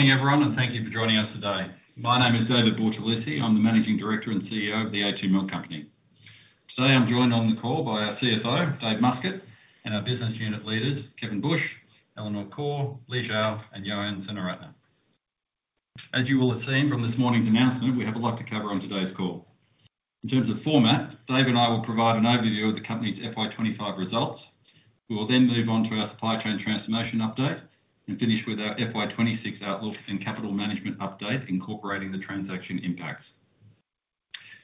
Morning everyone, and thank you for joining us today. My name is David Bortolussi. I'm the Managing Director and CEO of The a2 Milk Company. Today I'm joined on the call by our CFO, David Muscat, and our Business Unit Leaders, Kevin Bush, Eleanor Khor, Li Xiao, and Yohan Senaratne. As you will have seen from this morning's announcement, we have a lot to cover on today's call. In terms of format, David and I will provide an overview of the company's FY 2025 results. We will then move on to our supply chain transformation update and finish with our FY 2026 outlook and capital management update, incorporating the transaction impacts.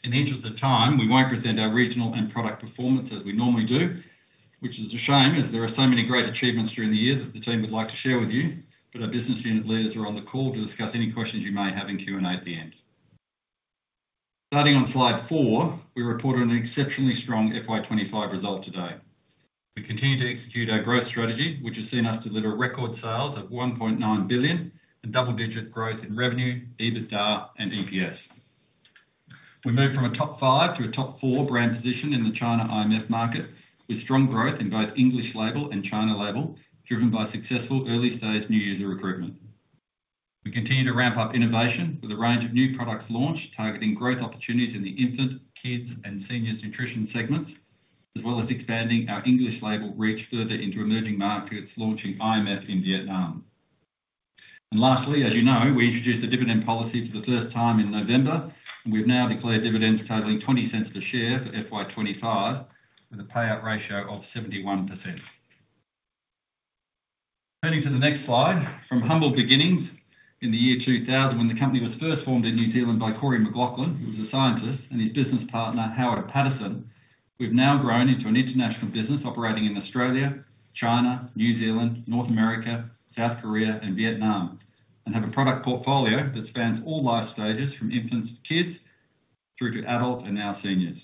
In the interest of time, we won't present our regional and product performance as we normally do, which is a shame as there are so many great achievements during the year that the team would like to share with you. Our Business Unit Leaders are on the call to discuss any questions you may have in Q&A at the end. Starting on slide 4, we reported an exceptionally strong FY 2025 result today. We continue to execute our growth strategy, which has seen us deliver record sales of 1.9 billion and double-digit growth in revenue, EBITDA, and EPS. We moved from a top 5 to a top 4 brand position in the China IMF market, with strong growth in both English label and China label, driven by successful early-stage new user recruitment. We continue to ramp up innovation with a range of new products launched targeting growth opportunities in the infant, kids, and seniors nutrition segments, as well as expanding our English label reach further into emerging markets, launching IMF in Vietnam. Lastly, as you know, we introduced a dividend policy for the first time in November, and we've now declared dividends totaling 0.20 per share for FY 2025, with a payout ratio of 71%. Turning to the next slide, from humble beginnings in the year 2000, when the company was first formed in New Zealand by Corran McLachlan who was a scientist, and his business partner, Howard Paterson, we've now grown into an international business operating in Australia, China, New Zealand, North America, South Korea, and Vietnam, and have a product portfolio that spans all life stages from infants to kids through to adults and now seniors.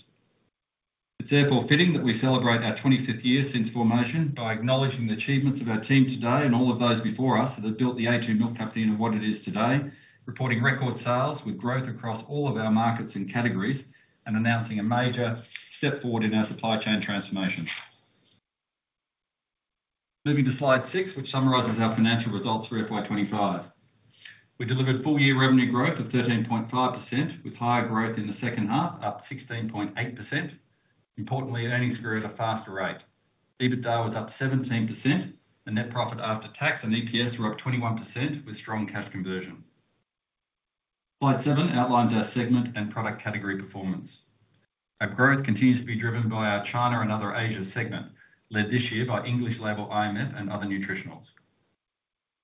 It's therefore fitting that we celebrate our 25th year since formation by acknowledging the achievements of our team today and all of those before us that have built The a2 Milk Company into what it is today, reporting record sales with growth across all of our markets and categories, and announcing a major step forward in our supply chain transformation. Moving to slide 6, which summarizes our financial results for FY 2025, we delivered full-year revenue growth of 13.5%, with higher growth in the second half, up 16.8%. Importantly, it only grew at a faster rate. EBITDA was up 17%, and net profit after tax and EPS were up 21%, with strong cash conversion. Slide 7 outlines our segment and product category performance. Our growth continues to be driven by our China and other Asia segment, led this year by English label IMF and other nutritionals.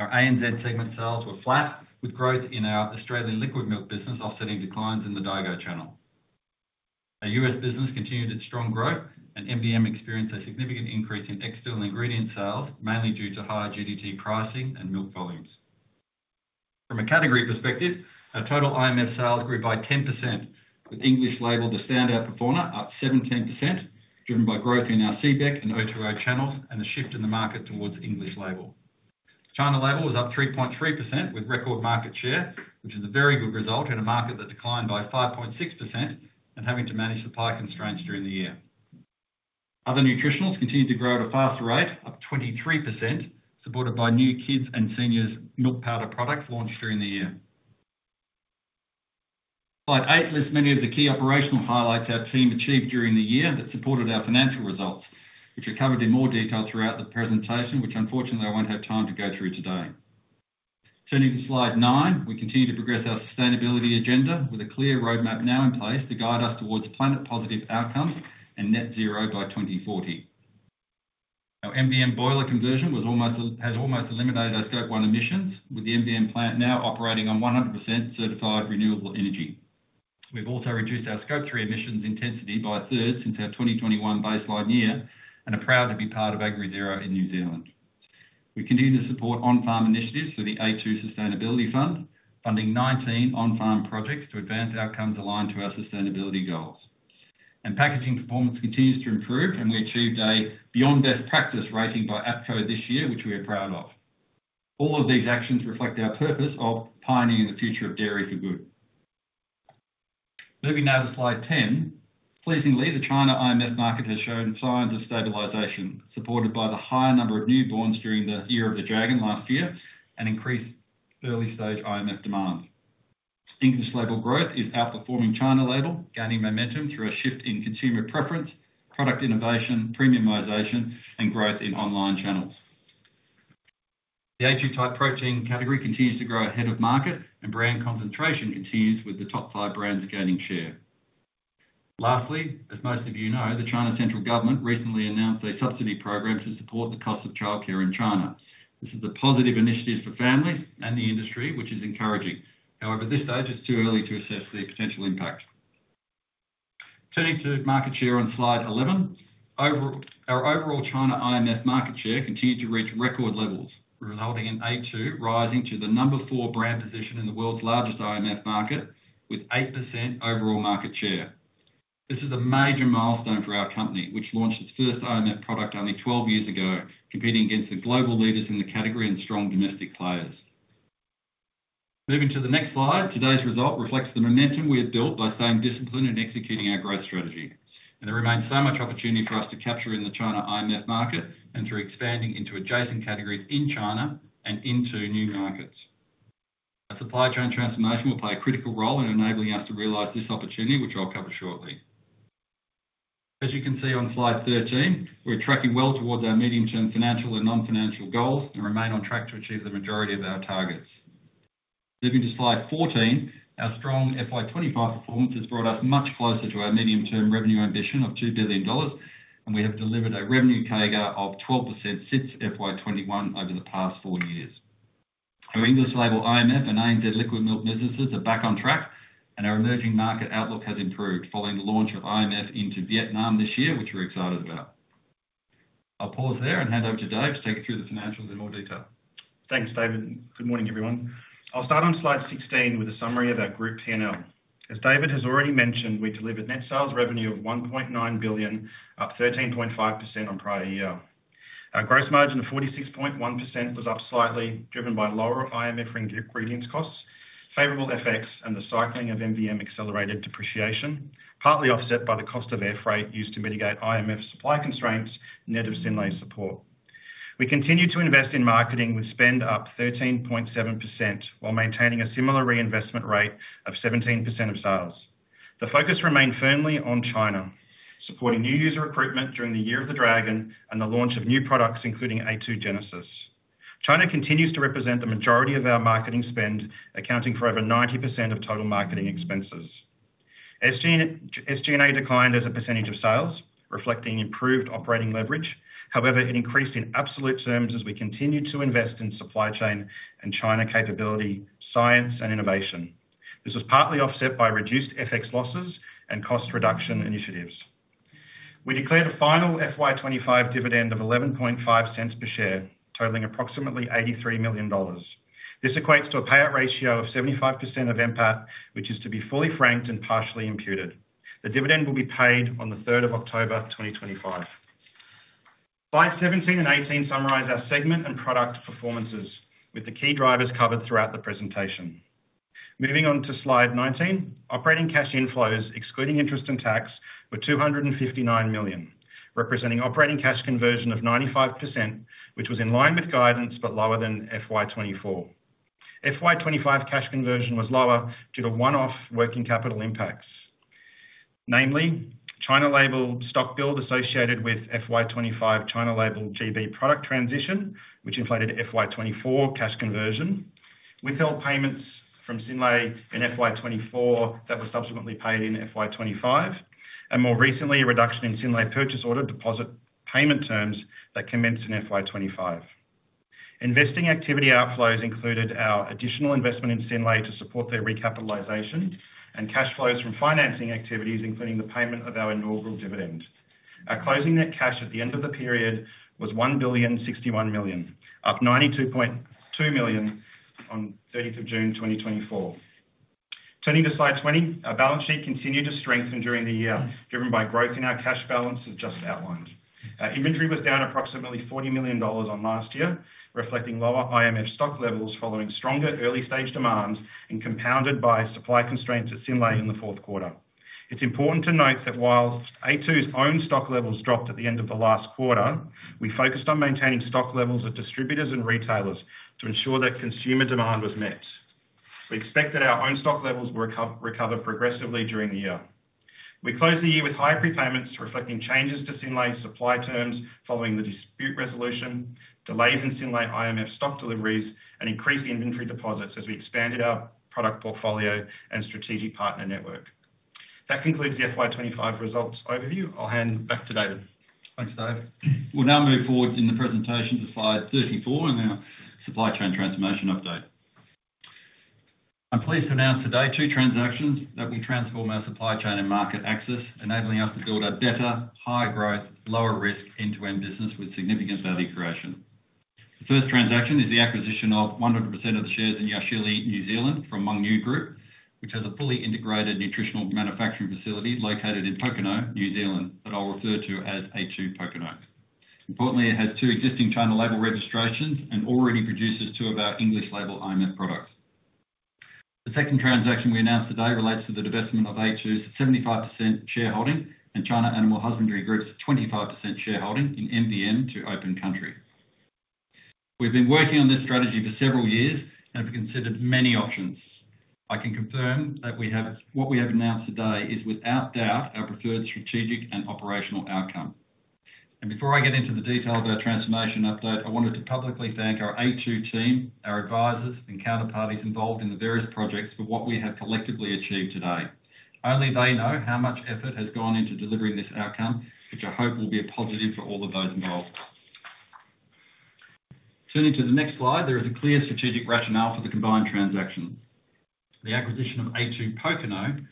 Our ANZ segment sales were flat, with growth in our Australian liquid milk business offsetting declines in the Daigou channel. Our U.S. business continued its strong growth, and MVM experienced a significant increase in external ingredient sales, mainly due to higher GDT pricing and milk volumes. From a category perspective, our total IMF sales grew by 10%, with English label the standout performer, up 17%, driven by growth in our CBEC and O2O channels and the shift in the market towards English label. China label was up 3.3%, with record market share, which is a very good result in a market that declined by 5.6% and having to manage supply constraints during the year. Other nutritionals continued to grow at a faster rate, up 23%, supported by new kids' and seniors milk powder products launched during the year. Slide 8 lists many of the key operational highlights our team achieved during the year that supported our financial results, which are covered in more detail throughout the presentation, which unfortunately I won't have time to go through today. Turning to slide 9, we continue to progress our sustainability agenda with a clear roadmap now in place to guide us towards planet-positive outcomes and net zero by 2040. Our MVM boiler conversion has almost eliminated our scope 1 emissions, with the MVM plant now operating on 100% certified renewable energy. We've also reduced our scope 3 emissions intensity by a third since our 2021 baseline year and are proud to be part of AgriZero in New Zealand. We continue to support on-farm initiatives through the a2 Sustainability Fund, funding 19 on-farm projects to advance outcomes aligned to our sustainability goals. Packaging performance continues to improve, and we achieved a Beyond Best Practice rating by APCO this year, which we are proud of. All of these actions reflect our purpose of pioneering the future of dairy for good. Moving now to slide 10, pleasingly, the China IMF market has shown signs of stabilization, supported by the higher number of newborns during the Year of the Dragon last year and increased early-stage IMF demand. English label growth is outperforming China label, gaining momentum through a shift in consumer preference, product innovation, premiumization, and growth in online channels. The active type protein category continues to grow ahead of market, and brand concentration continues with the top five brands gaining share. Lastly, as most of you know, the China central government recently announced a subsidy program to support the cost of childcare in China. This is a positive initiative for families and the industry, which is encouraging. However, at this stage, it's too early to assess the potential impact. Turning to market share on slide 11, our overall China IMF market share continued to reach record levels, resulting in a2 rising to the number four brand position in the world's largest IMF market, with 8% overall market share. This is a major milestone for our company, which launched its first IMF product only 12 years ago, competing against the global leaders in the category and strong domestic players. Moving to the next slide, today's result reflects the momentum we have built by staying disciplined and executing our growth strategy. There remains so much opportunity for us to capture in the China IMF market and through expanding into adjacent categories in China and into new markets. Our supply chain transformation will play a critical role in enabling us to realize this opportunity, which I'll cover shortly. As you can see on slide 13, we're tracking well towards our medium-term financial and non-financial goals and remain on track to achieve the majority of our targets. Moving to slide 14, our strong FY 2025 performance has brought us much closer to our medium-term revenue ambition of 2 billion dollars, and we have delivered a revenue CAGR of 12% since FY 2021 over the past four years. Our English label IMF and ANZ liquid milk businesses are back on track, and our emerging market outlook has improved following the launch of IMF into Vietnam this year, which we're excited about. I'll pause there and hand over to Dave to take you through the financials in more detail. Thanks, David. Good morning, everyone. I'll start on slide 16 with a summary of our group P&L. As David has already mentioned, we delivered net sales revenue of 1.9 billion, up 13.5% on prior year. Our gross margin of 46.1% was up slightly, driven by lower IMF ingredient costs, favorable FX, and the cycling of MVM accelerated depreciation, partly offset by the cost of air freight used to mitigate IMF supply constraints, mainly Synlait support. We continue to invest in marketing with spend up 13.7% while maintaining a similar reinvestment rate of 17% of sales. The focus remained firmly on China, supporting new user recruitment during the Year of the Dragon and the launch of new products, including a2 Genesis. China continues to represent the majority of our marketing spend, accounting for over 90% of total marketing expenses. SG&A declined as a percentage of sales, reflecting improved operating leverage. However, it increased in absolute terms as we continued to invest in supply chain and China capability, science, and innovation. This was partly offset by reduced FX losses and cost reduction initiatives. We declared a final FY 2025 dividend of 0.115 per share, totaling approximately 83 million dollars. This equates to a payout ratio of 75% of NPAT, which is to be fully franked and partially imputed. The dividend will be paid on the 3rd of October 2025. Slides 17 and 18 summarize our segment and product performances, with the key drivers covered throughout the presentation. Moving on to slide 19, operating cash inflows, excluding interest and tax, were 259 million, representing operating cash conversion of 95%, which was in line with guidance but lower than FY 2024. FY 2025 cash conversion was lower due to one-off working capital impacts, namely China label stock build associated with FY 2025 China label GB product transition, which inflated FY 2024 cash conversion, withheld payments from Synlait in FY 2024 that were subsequently paid in FY 2025, and more recently a reduction in Synlait purchase order deposit payment terms that commenced in FY 2025. Investing activity outflows included our additional investment in Synlait to support their recapitalization and cash flows from financing activities, including the payment of our inaugural dividend. Our closing net cash at the end of the period was 1,061,000,000, up 92.2 million on 30th of June 2024. Turning to slide 20, our balance sheet continued to strengthen during the year, driven by growth in our cash balance as just outlined. Our inventory was down approximately 40 million dollars on last year, reflecting lower IMF stock levels following stronger early-stage demands and compounded by supply constraints at Synlait in the fourth quarter. It's important to note that while a2 Milk Company's own stock levels dropped at the end of the last quarter, we focused on maintaining stock levels of distributors and retailers to ensure that consumer demand was met. We expect that our own stock levels will recover progressively during the year. We closed the year with higher procurements, reflecting changes to Synlait supply terms following the dispute resolution, delays in Synlait IMF stock deliveries, and increased inventory deposits as we expanded our product portfolio and strategic partner network. That concludes the FY 2025 results overview. I'll hand back to David. Thanks, Dave. We'll now move forward in the presentation to slide 34 and our supply chain transformation update. I'm pleased to announce today two transactions that will transform our supply chain and market access, enabling us to build a better, higher growth, lower risk end-to-end business with significant value creation. The first transaction is the acquisition of 100% of the shares in Yashili New Zealand from Mengniu Group, which has a fully integrated nutritional manufacturing facility located in Pokeno, New Zealand, that I'll refer to as a2 Pokeno. Importantly, it has two existing China label registrations and already produces two of our English label IMF products. The second transaction we announced today relates to the divestment of a2 Milk’s 75% shareholding and China Animal Husbandry Group's 25% shareholding in MVM to Open Country. We've been working on this strategy for several years and have considered many options. I can confirm that what we have announced today is without doubt our preferred strategic and operational outcome. Before I get into the detail of our transformation update, I wanted to publicly thank our a2 team, our advisors, and counterparties involved in the various projects for what we have collectively achieved today. Only they know how much effort has gone into delivering this outcome, which I hope will be a positive for all of those involved. Turning to the next slide, there is a clear strategic rationale for the combined transaction. The acquisition of a2 Pokeno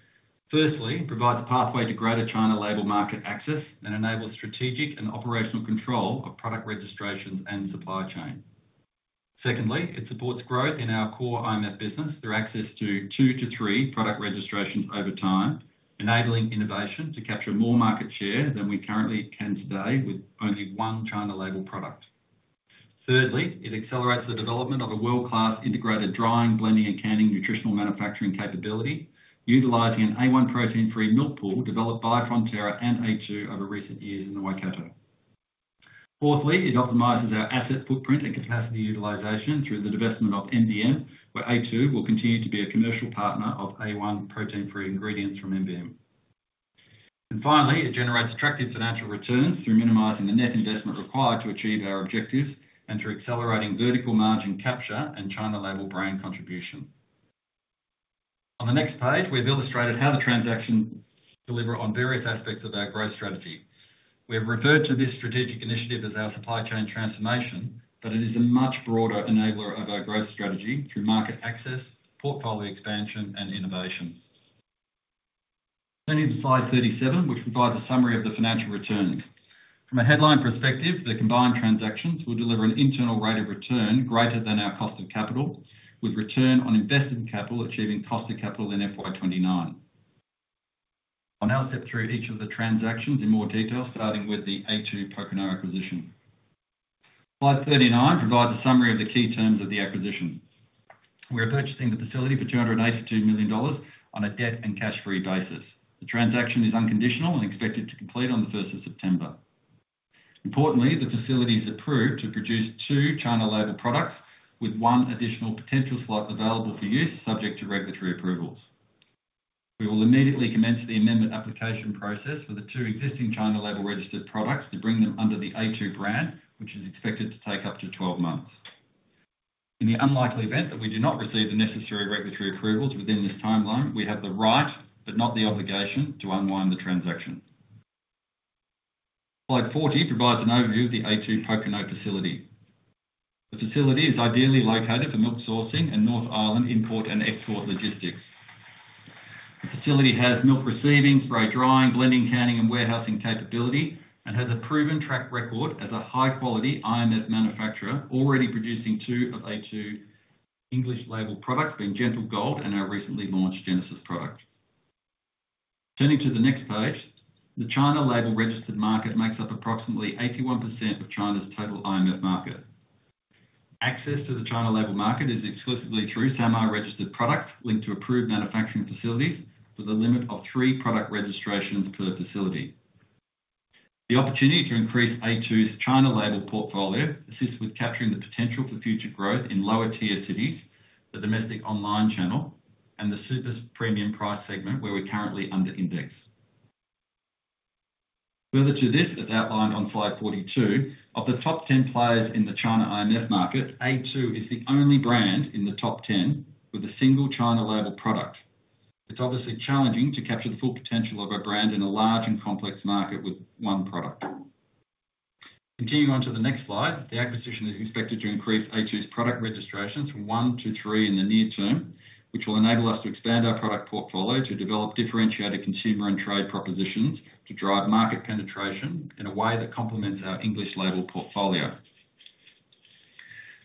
firstly provides a pathway to greater China label market access and enables strategic and operational control of product registrations and supply chain. Secondly, it supports growth in our core IMF business through access to two to three product registrations over time, enabling innovation to capture more market share than we currently can today with only one China label product. Thirdly, it accelerates the development of a world-class integrated drying, blending, and canning nutritional manufacturing capability, utilizing an A1 protein-free milk pool developed by Fonterra and a2 over recent years in Waikato. Fourthly, it optimizes our asset footprint and capacity utilization through the divestment of MVM, where a2 Milk will continue to be a commercial partner of A1 protein-free ingredients from MVM. It generates attractive financial returns through minimizing the net investment required to achieve our objectives and through accelerating vertical margin capture and China label brand contribution. On the next page, we've illustrated how the transactions deliver on various aspects of our growth strategy. We've referred to this strategic initiative as our supply chain transformation, but it is a much broader enabler of our growth strategy through market access, portfolio expansion, and innovation. Turning to slide 37, which provides a summary of the financial returns. From a headline perspective, the combined transactions will deliver an internal rate of return greater than our cost of capital, with return on invested capital achieving cost of capital in FY 2029. I'll now step through each of the transactions in more detail, starting with the a2 Pokeno acquisition. Slide 39 provides a summary of the key terms of the acquisition. We are purchasing the facility for 282 million dollars on a debt and cash-free basis. The transaction is unconditional and expected to complete on the 1st of September. Importantly, the facility is approved to produce two China label products, with one additional potential slot available for use subject to regulatory approvals. We will immediately commence the amendment application process for the two existing China label registered products to bring them under the a2 brand, which is expected to take up to 12 months. In the unlikely event that we do not receive the necessary regulatory approvals within this timeline, we have the right, but not the obligation, to unwind the transaction. Slide 40 provides an overview of the a2 Pokeno facility. The facility is ideally located for milk sourcing and North Island import and export logistics. The facility has milk receivings for drying, blending, canning, and warehousing capability and has a proven track record as a high-quality IMF manufacturer, already producing two of a2 English label products, being Gentle Gold and our recently launched Genesis product. Turning to the next page, the China label registered market makes up approximately 81% of China's total IMF market. Access to the China label market is exclusively through SAMR registered products linked to approved manufacturing facilities for the limit of three product registrations per facility. The opportunity to increase a2 Milk Company's China label portfolio assists with capturing the potential for future growth in lower tier cities, the domestic online channel, and the super premium price segment where we currently underindex. Further to this, as outlined on slide 42, of the top 10 players in the China IMF market, a2 is the only brand in the top 10 with a single China label product. It's obviously challenging to capture the full potential of a brand in a large and complex market with one product. Continuing on to the next slide, the acquisition is expected to increase a2's product registrations from one to three in the near term, which will enable us to expand our product portfolio to develop differentiated consumer and trade propositions to drive market penetration in a way that complements our English label portfolio.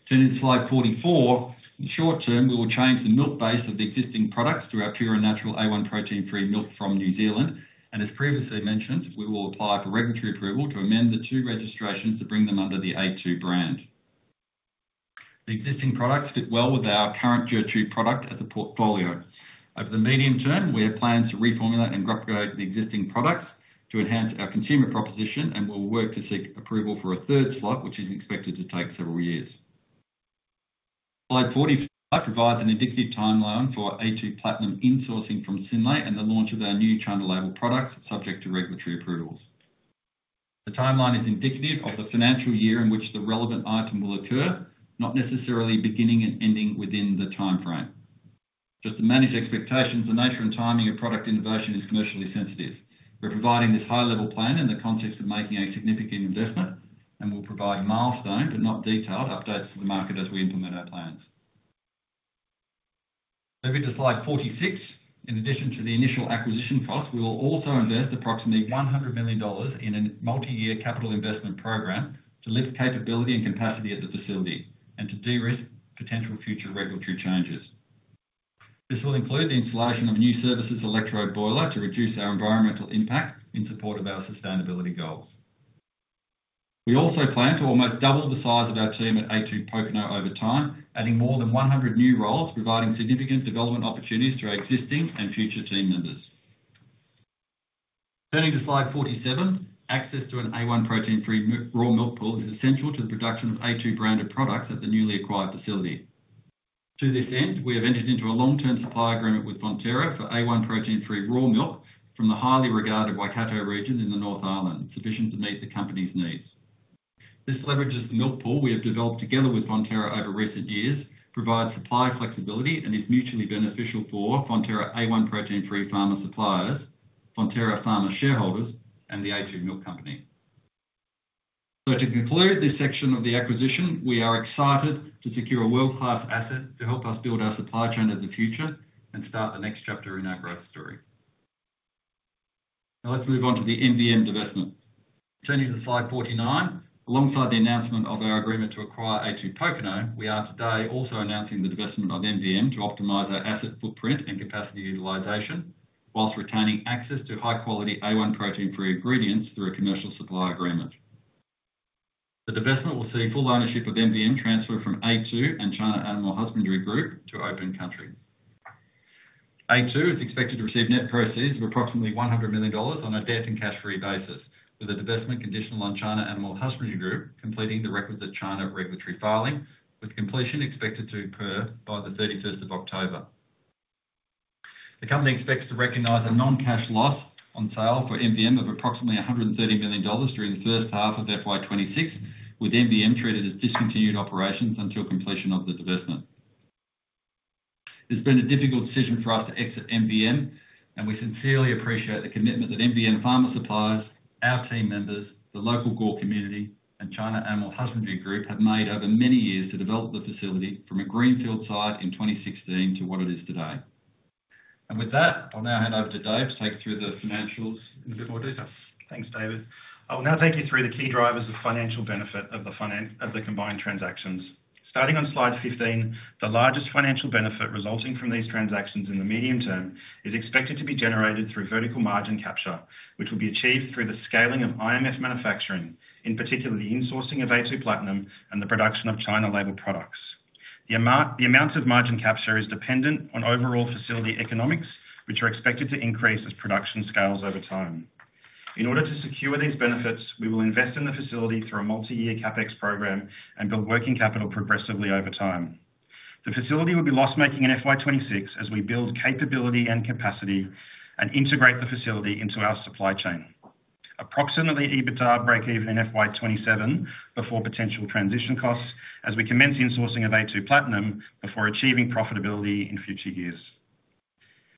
Turning to slide 44, in the short term, we will change the milk base of the existing products to our pure and natural A1 protein-free milk from New Zealand, and as previously mentioned, we will apply for regulatory approval to amend the two registrations to bring them under the a2 brand. The existing products fit well with our current tier two product as a portfolio. Over the medium term, we have plans to reformulate and upgrade the existing products to enhance our consumer proposition, and we'll work to seek approval for a third slot, which is expected to take several years. Slide 45 provides an indicative timeline for a2 Platinum insourcing from Synlait and the launch of their new China label products subject to regulatory approvals. The timeline is indicative of the financial year in which the relevant item will occur, not necessarily beginning and ending within the timeframe. Just to manage expectations, the nature and timing of product innovation is commercially sensitive. We're providing this high-level plan in the context of making a significant investment, and we'll provide milestone, but not detailed, updates to the market as we implement our plans. Moving to slide 46, in addition to the initial acquisition cost, we will also invest approximately 100 million dollars in a multi-year capital investment program to lift capability and capacity at the facility and to de-risk potential future regulatory changes. This will include the installation of a new services electrode boiler to reduce our environmental impact in support of our sustainability goals. We also plan to almost double the size of our team at a2 Pokeno over time, adding more than 100 new roles, providing significant development opportunities to our existing and future team members. Turning to slide 47, access to an A1 protein-free raw milk pool is essential to the production of a2 branded products at the newly acquired facility. To this end, we have entered into a long-term supply agreement with Fonterra for A1 protein-free raw milk from the highly regarded Waikato region in the North Island, sufficient to meet the company's needs. This leverages the milk pool we have developed together with Fonterra over recent years, provides supply flexibility, and is mutually beneficial for Fonterra A1 protein-free farmers, Fonterra farmer shareholders, and The a2 Milk Company. To conclude this section of the acquisition, we are excited to secure a world-class asset to help us build our supply chain of the future and start the next chapter in our growth story. Now let's move on to the MVM divestment. Turning to slide 49, alongside the announcement of our agreement to acquire a2 Pokeno, we are today also announcing the divestment of MVM to optimize our asset footprint and capacity utilization, whilst retaining access to high-quality A1 protein-free ingredients through a commercial supply agreement. The divestment will see full ownership of MVM transferred from a2 and China Animal Husbandry Group to Open Country. a2 is expected to receive net proceeds of approximately 100 million dollars on a debt and cash-free basis, with the divestment conditional on China Animal Husbandry Group completing the requisite China regulatory filing, with completion expected to occur by the 31st of October. The company expects to recognize a non-cash loss on sale for MVM of approximately 130 million dollars during the first half of FY 2026, with MVM treated as discontinued operations until completion of the divestment. It's been a difficult decision for us to exit MVM, and we sincerely appreciate the commitment that MVM farmer suppliers, our team members, the local Gore community, and China Animal Husbandry Group have made over many years to develop the facility from a greenfield site in 2016 to what it is today. With that, I'll now hand over to Dave to take you through the financials in a bit more detail. Thanks, David. I will now take you through the key drivers of financial benefit of the combined transactions. Starting on slide 15, the largest financial benefit resulting from these transactions in the medium term is expected to be generated through vertical margin capture, which will be achieved through the scaling of IMF manufacturing, in particular the insourcing of a2 Platinum and the production of China label products. The amount of margin capture is dependent on overall facility economics, which are expected to increase as production scales over time. In order to secure these benefits, we will invest in the facility through a multi-year CapEx program and build working capital progressively over time. The facility will be loss-making in FY 2026 as we build capability and capacity and integrate the facility into our supply chain. Approximately EBITDA break-even in FY 2027 before potential transition costs, as we commence insourcing of a2 Platinum before achieving profitability in future years.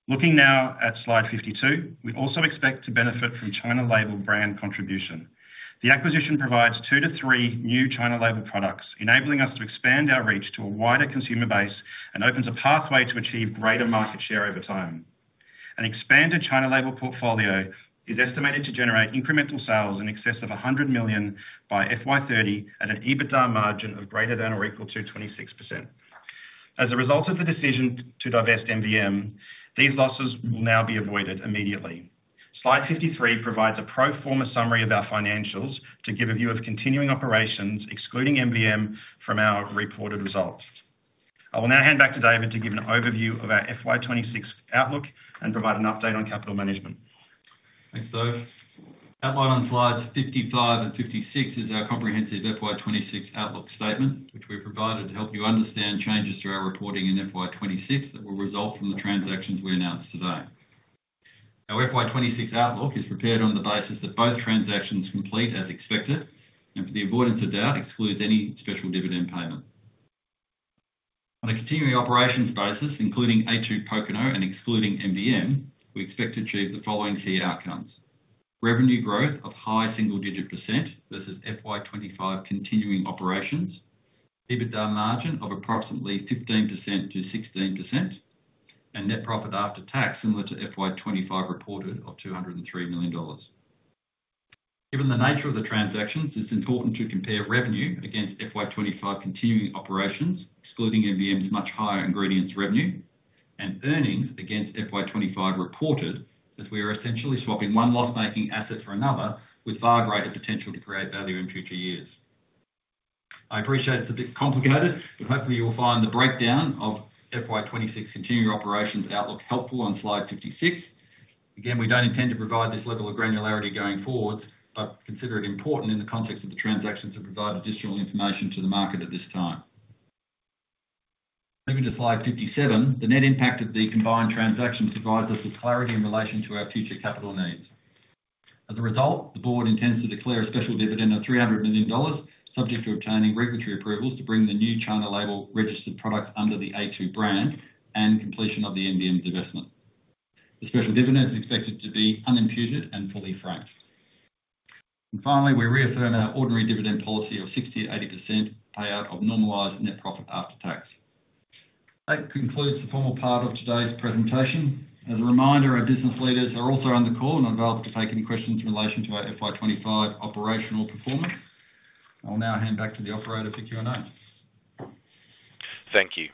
Looking now at slide 52, we also expect to benefit from China label brand contribution. The acquisition provides two to three new China label products, enabling us to expand our reach to a wider consumer base and opens a pathway to achieve greater market share over time. An expanded China label portfolio is estimated to generate incremental sales in excess of 100 million by FY 2030 at an EBITDA margin of greater than or equal to 26%. As a result of the decision to divest MVM, these losses will now be avoided immediately. Slide 53 provides a pro forma summary of our financials to give a view of continuing operations, excluding MVM from our reported results. I will now hand back to David to give an overview of our FY 2026 outlook and provide an update on capital management. Thanks, Dave. Outlined on slides 55 and 56 is our comprehensive FY 2026 outlook statement, which we've provided to help you understand changes to our reporting in FY 2026 that will result from the transactions we announced today. Our FY 2026 outlook is prepared on the basis that both transactions complete as expected and, for the avoidance of doubt, excludes any special dividend payment. On a continuing operations basis, including a2 Pokeno and excluding MVM, we expect to achieve the following key outcomes: revenue growth of high single-digit percent peecenversus FY 2025 continuing operations, EBITDA margin of approximately 15%-16%, and net profit after tax similar to FY 2025 reported of 203 million dollars. Given the nature of the transactions, it's important to compare revenue against FY. 2025 continuing operations, excluding MVM's much higher ingredients revenue, and earnings against FY 2025 reported, as we are essentially swapping one loss-making asset for another with far greater potential to create value in future years. I appreciate it's a bit complicated, but hopefully you'll find the breakdown of FY 2026 continuing operations outlook helpful on slide 56. We don't intend to provide this level of granularity going forward, but consider it important in the context of the transactions to provide additional information to the market at this time. Moving to slide 57, the net impact of the combined transactions provides us with clarity in relation to our future capital needs. As a result, the board intends to declare a special dividend of 300 million dollars subject to obtaining regulatory approvals to bring the new China label registered products under the a2 brand and completion of the MVM divestment. The special dividend is expected to be unimputed and fully franked. Finally, we reaffirm our ordinary dividend policy of 60%-80% payout of normalized net profit after tax. That concludes the formal part of today's presentation. As a reminder, our business leaders are also on the call and available to take any questions in relation to our FY 2025 operational performance. I will now hand back to the operator to pick you on up. Thank you.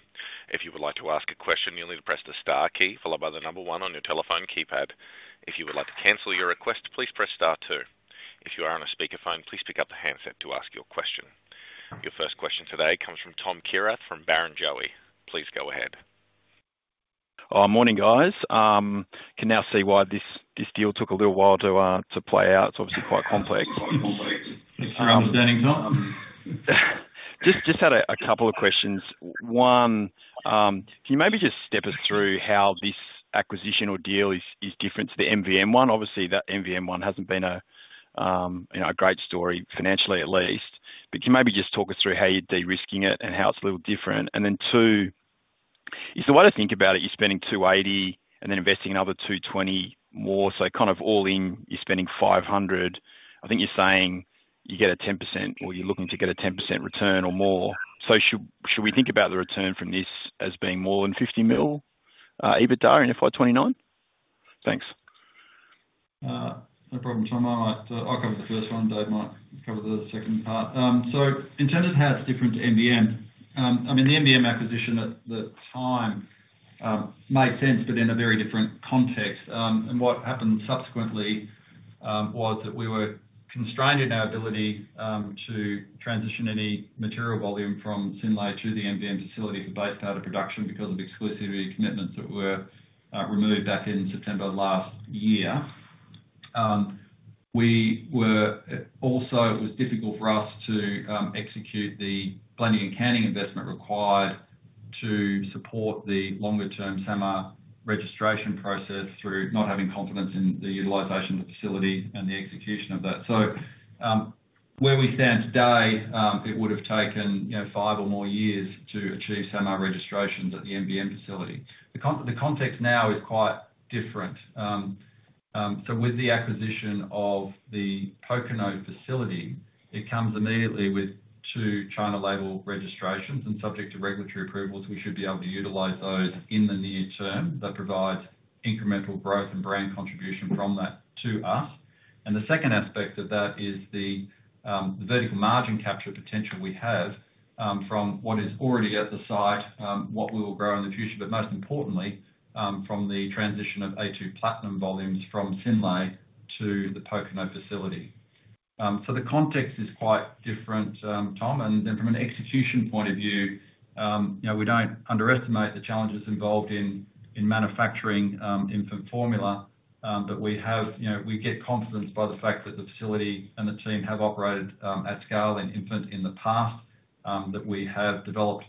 If you would like to ask a question, you'll need to press the star key followed by the number one on your telephone keypad. If you would like to cancel your request, please press star two. If you are on a speakerphone, please pick up the handset to ask your question. Your first question today comes from Tom Kierath from Barrenjoey. Please go ahead. Morning, guys. I can now see why this deal took a little while to play out. It's obviously quite complex. It's an uncertain time. Just had a couple of questions. One, can you maybe just step us through how this acquisition or deal is different to the MVM one? Obviously, that MVM one hasn't been a great story financially, at least. Can you maybe just talk us through how you're de-risking it and how it's a little different? Two, is the way to think about it, you're spending $280 million and then investing another 220 million more, so kind of all in, you're spending 500 million. I think you're saying you get a 10% or you're looking to get a 10% return or more. Should we think about the return from this as being more than 50 million EBITDA in FY 2029? Thanks. No problem, Tom. I covered the first one. Dave might cover the second part. In terms of how it's different to MVM, the MVM acquisition at the time made sense, but in a very different context. What happened subsequently was that we were constrained in our ability to transition any material volume from Synlait to the MVM facility for base powder production because of exclusivity commitments that were removed back in September last year. It was also difficult for us to execute the blending and canning investment required to support the longer-term SAMR registration process through not having confidence in the utilization of the facility and the execution of that. Where we stand today, it would have taken five or more years to achieve SAMR registrations at the MVM facility. The context now is quite different. With the acquisition of the Pokeno facility, it comes immediately with two China label registrations and, subject to regulatory approvals, we should be able to utilize those in the near term. That provides incremental growth and brand contribution from that to us. The second aspect of that is the vertical margin capture potential we have from what is already at the site, what we will grow in the future, but most importantly, from the transition of a2 Platinum volumes from Synlait to the Pokeno facility. The context is quite different, Tom. From an execution point of view, we do not underestimate the challenges involved in manufacturing infant formula, but we get confidence by the fact that the facility and the team have operated at scale in infant in the past, that we have developed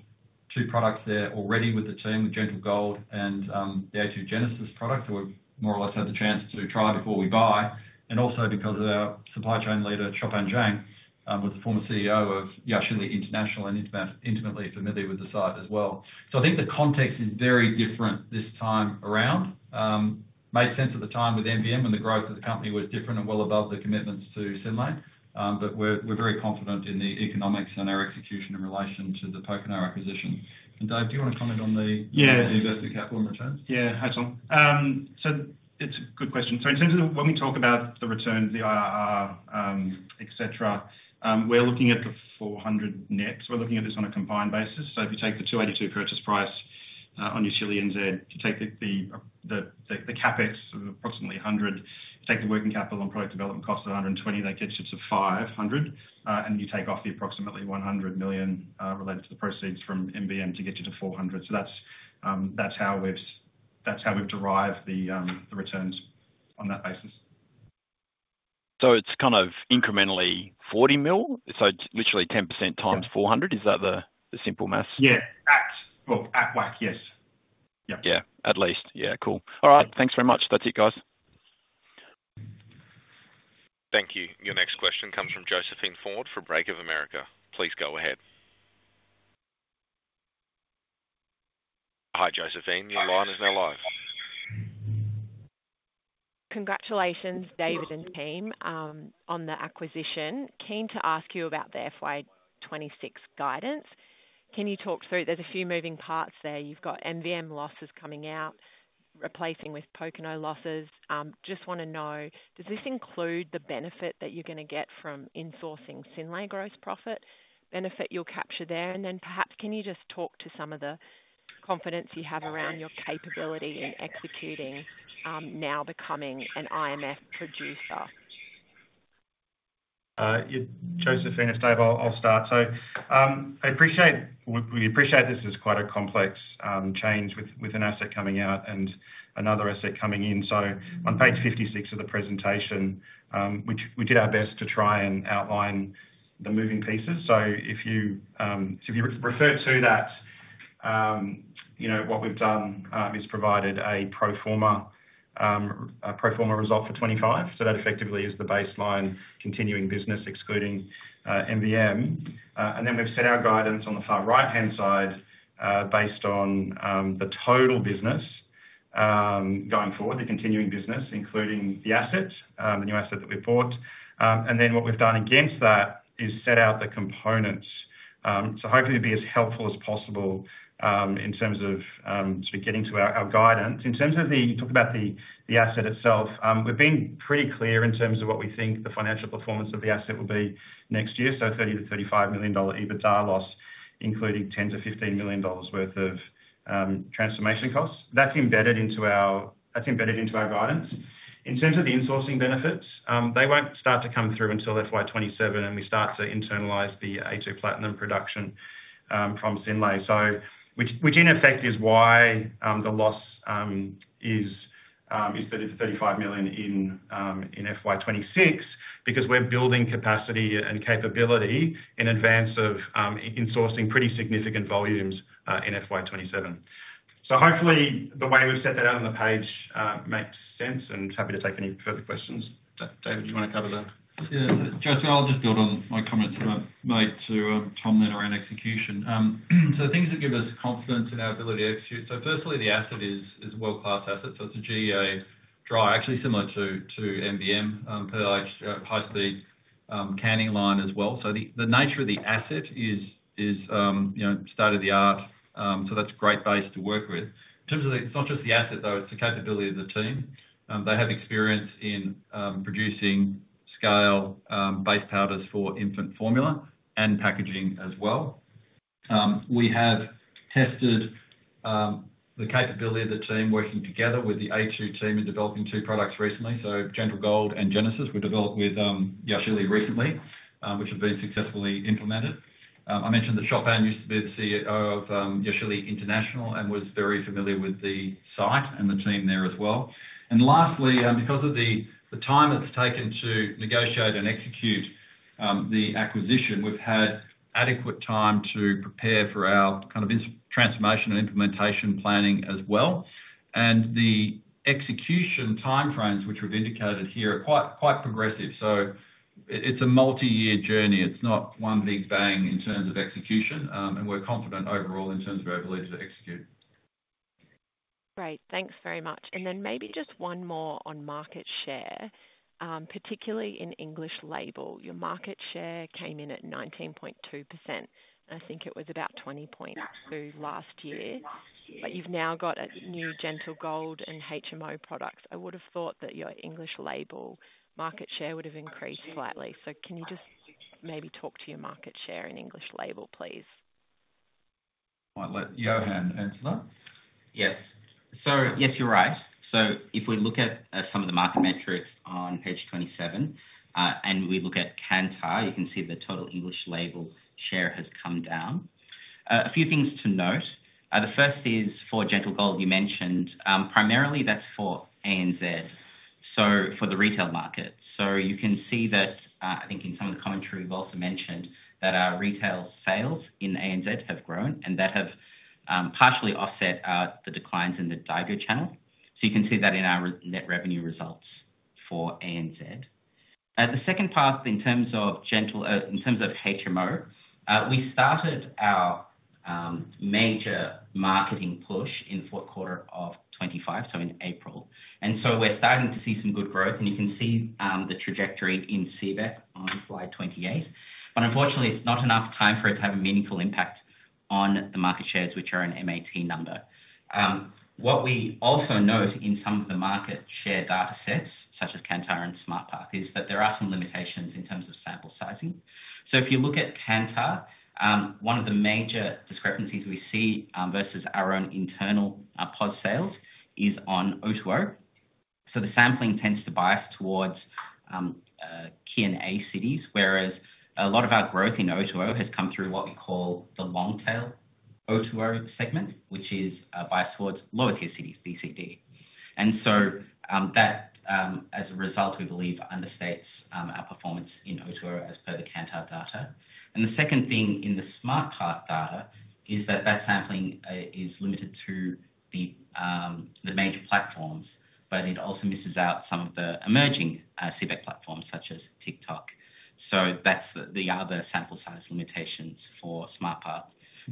two products there already with the team, the Gentle Gold and the a2 Genesis products, so we more or less had the chance to try before we buy. Also, because of our supply chain leader, Jaron McVicar, who was the former CEO of Yashili International and is intimately familiar with the site as well. I think the context is very different this time around. It made sense at the time with MVM and the growth of the company was different and well above the commitments to Synlait, but we're very confident in the economics and our execution in relation to the Pokeno acquisition. Dave, do you want to comment on the invested capital and returns? Yeah, hi Tom. It's a good question. In terms of when we talk about the returns, the IRR, et cetera, we're looking at the 400 million net. We're looking at this on a combined basis. If you take the 282 million purchase price on Yashili New Zealand, you take the CapEx of approximately 100 million, you take the working capital and product development costs of 120 million, that gets you to 500 million, and you take off the approximately 100 million related to the proceeds from MVM to get you to 400 million. That's how we've derived the returns on that basis. It's kind of incrementally 40 million, it's literally 10% x 400 million. Is that the simple maths? Yeah, at WACC, yes. Yeah, at least. Yeah, cool. All right, thanks very much. That's it, guys. Thank you. Your next question comes from Josephine Forde from Bank of America. Please go ahead. Hi Josephine, your line is now live. Congratulations, David and team, on the acquisition. Keen to ask you about the FY 2026 guidance. Can you talk through, there's a few moving parts there. You've got MVM losses coming out, replacing with Pokeno losses. Just want to know, does this include the benefit that you're going to get from insourcing similar gross profit? Benefit you'll capture there, and then perhaps can you just talk to some of the confidence you have around your capability in executing, now becoming an IMF producer? Yeah, Josephine, if Dave, I'll start. I appreciate, we appreciate this is quite a complex change with an asset coming out and another asset coming in. On page 56 of the presentation, we did our best to try and outline the moving pieces. If you refer to that, you know what we've done is provided a pro forma, a pro forma result for 2025. That effectively is the baseline continuing business excluding MVM, and then we've set our guidance on the far right-hand side based on the total business going forward, the continuing business, including the asset, the new asset that we've bought. What we've done against that is set out the components. Hopefully it'll be as helpful as possible in terms of getting to our guidance. In terms of the, you talked about the asset itself, we've been pretty clear in terms of what we think the financial performance of the asset will be next year. 30 millon-NZD 35 million EBITDA loss, including 10 millon-NZD 15 million worth of transformation costs. That's embedded into our guidance. In terms of the insourcing benefits, they won't start to come through until FY 2027, and we start to internalize the a2 Platinum production from Synlait. Which in effect is why the loss is 30 millon-NZD 35 million in FY 2026, because we're building capacity and capability in advance of insourcing pretty significant volumes in FY 2027. Hopefully the way we've set that out on the page makes sense, and happy to take any further questions. David, do you want to cover that? Yeah, Chopin, I'll just build on my comments that I made to comment around execution. The things that give us confidence in our ability to execute: firstly, the asset is a world-class asset. It's a GA dry, actually similar to MVM, per high speed canning line as well. The nature of the asset is, you know, state of the art. That's a great base to work with. In terms of the, it's not just the asset though, it's the capability of the team. They have experience in producing scale base powders for infant formula and packaging as well. We have tested the capability of the team working together with the a2 team in developing two products recently. Gentle Gold and Genesis were developed with Yashili recently, which have been successfully implemented. I mentioned that Chopin used to be the CEO of Yashili International and was very familiar with the site and the team there as well. Lastly, because of the time that's taken to negotiate and execute the acquisition, we've had adequate time to prepare for our kind of transformation and implementation planning as well. The execution timeframes, which we've indicated here, are quite progressive. It's a multi-year journey. It's not one big bang in terms of execution, and we're confident overall in terms of our ability to execute. Great, thanks very much. Maybe just one more on market share, particularly in English label. Your market share came in at 19.2%. I think it was about 20.2% last year, but you've now got a new Gentle Gold and HMO products. I would have thought that your English label market share would have increased slightly. Can you just maybe talk to your market share in English label, please? I might let Yohan answer that. Yes. Yes, you're right. If we look at some of the market metrics on page 27, and we look at Kantar, you can see the total English label share has come down. A few things to note. The first is for Gentle Gold, you mentioned, primarily that's for ANZ, so for the retail market. You can see that, I think in some of the commentary we've also mentioned that our retail sales in ANZ have grown and that have partially offset the declines in the daigou channel. You can see that in our net revenue results for ANZ. The second part in terms of Gentle, in terms of HMO, we started our major marketing push in the fourth quarter of 2025, so in April. We're starting to see some good growth, and you can see the trajectory in Seabeck on slide 28. Unfortunately, it's not enough time for it to have a meaningful impact on the market shares, which are an MAT number. We also note in some of the market share datasets, such as Kantar and SmartPath, that there are some limitations in terms of sample sizing. If you look at Kantar, one of the major discrepancies we see versus our own internal pod sales is on O2O. The sampling tends to bias towards key and A cities, whereas a lot of our growth in O2O has come through what we call the long-tail O2O segment, which is biased towards lower-tier cities, BCD. As a result, we believe this understates our performance in O2O as per the Kantar data. The second thing in the SmartPath data is that sampling is limited to the major platforms, but it also misses out some of the emerging Seabeck platforms, such as TikTok. That's the other sample size limitation for SmartPath.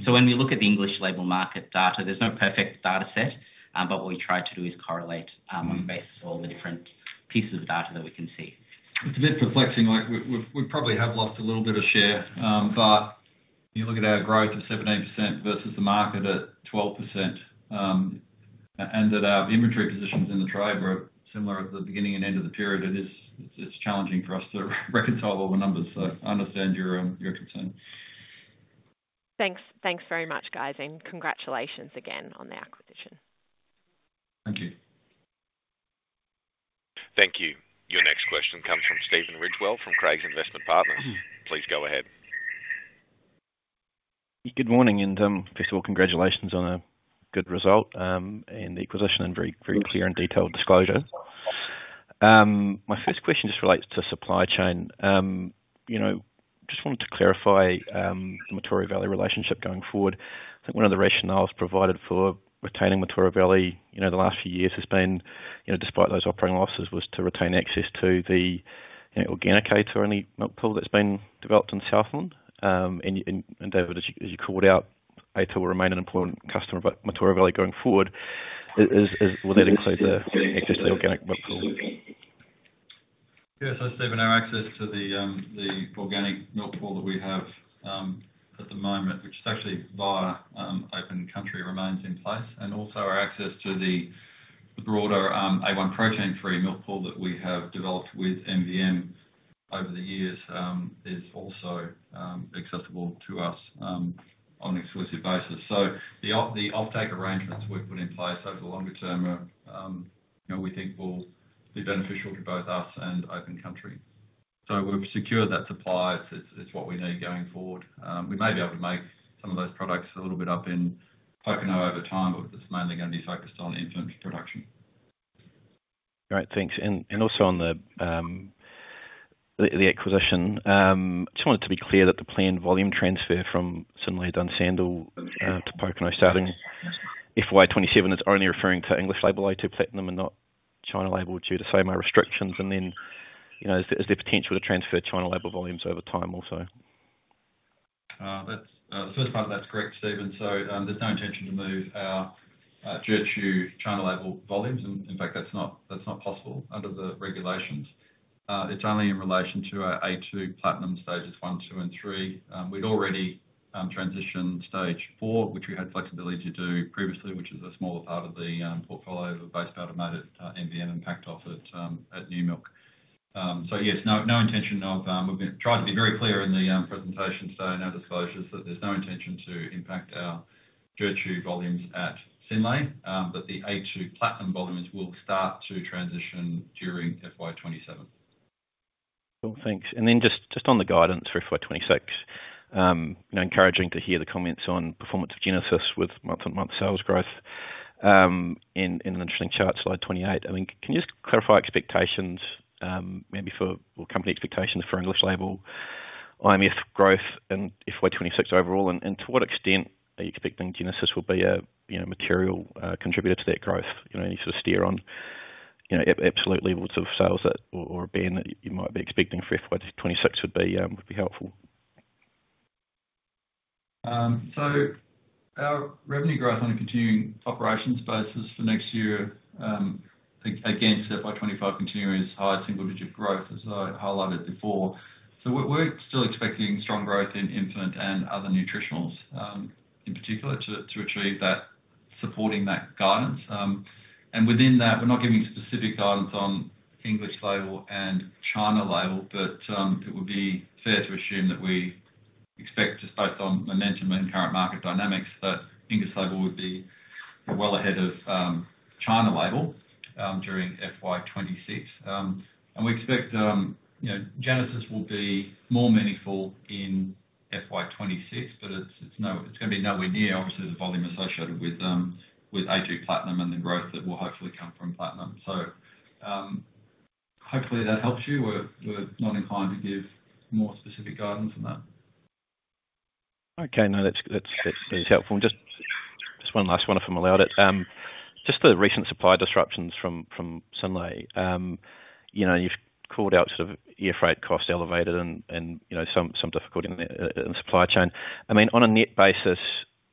When we look at the English label market data, there's no perfect dataset, but what we try to do is correlate on the basis of all the different pieces of the data that we can see. It's a bit perplexing. We probably have lost a little bit of share, but you look at our growth of 17% versus the market at 12%, and that our inventory positions in the trade were similar at the beginning and end of the period. It is challenging for us to reconcile all the numbers, so I understand your concern. Thanks, thanks very much, guys, and congratulations again on the acquisition. Thank you. Thank you. Your next question comes from Stephen Ridgewell from Craigs Investment Partners. Please go ahead. Good morning, and first of all, congratulations on a good result in the acquisition and very, very clear and detailed disclosure. My first question just relates to supply chain. I just wanted to clarify the Mataura Valley relationship going forward. I think one of the rationales provided for retaining Mataura Valley, the last few years has been, despite those operating losses, to retain access to the organic a2 milk pool that's been developed in Southland. David, as you called out, a2 Milk will remain an important customer of Mataura Valley going forward. Will that include the access to the organic milk pool? Yeah, Stephen, our access to the organic milk pool that we have at the moment, which is actually via Open Country, remains in place. Also, our access to the broader A1 protein-free milk pool that we have developed with MVM over the years is also accessible to us on an exclusive basis. The offtake arrangements we've put in place over the longer term, we think, will be beneficial to both us and Open Country. We've secured that supply. It's what we need going forward. We may be able to make some of those products a little bit up in Pokeno over time, but this is mainly going to be focused on infant production. All right, thanks. Also, on the acquisition, I just wanted to be clear that the planned volume transfer from Synlait Dunsandel to Pokeno starting FY 2027 is only referring to English label a2 Platinum and not China label due to same restrictions. Is there potential to transfer China label volumes over time also? That's the first part of that script, Stephen. There's no intention to move our China label volumes, and in fact, that's not possible under the regulations. It's only in relation to our a2 Platinum stages one, two, and three. We'd already transitioned stage four, which we had flexibility to do previously, which is a smaller part of the portfolio based out of MVM, in fact offered at New Milk. Yes, no intention of, we've tried to be very clear in the presentation today and our disclosures that there's no intention to impact our China label volumes at all, but the a2 Platinum volumes will start to transition during FY 2027. Cool, thanks. Just on the guidance for FY 2026, encouraging to hear the comments on performance of Genesis with month-to-month sales growth in an interesting chart, slide 28. Can you clarify expectations, maybe for company expectations for English label IMF growth and FY 2026 overall? To what extent are you expecting Genesis will be a material contributor to that growth? Any sort of steer on absolute levels of sales or BAM that you might be expecting for FY 2026 would be helpful. Our revenue growth on a continuing operations basis for next year against FY 2025 continues its high single-digit growth, as I highlighted before. We're still expecting strong growth in infant and other nutritionals, in particular, to achieve that, supporting that guidance. Within that, we're not giving specific guidance on English label and China label, but it would be fair to assume that we expect just based on momentum and current market dynamics that English label would be well ahead of China label during FY 2026. We expect Genesis will be more meaningful in FY 2026, but it's going to be nowhere near, obviously, the volume associated with a2 Platinum and the growth that will hopefully come from Platinum. Hopefully that helps you. We're not inclined to give more specific guidance on that. Okay, no, that's really helpful. I just want to ask one if I'm allowed it. Just the recent supply disruptions from Synlait, you've called out sort of air freight costs elevated and, you know, some difficulty in the supply chain. I mean, on a net basis,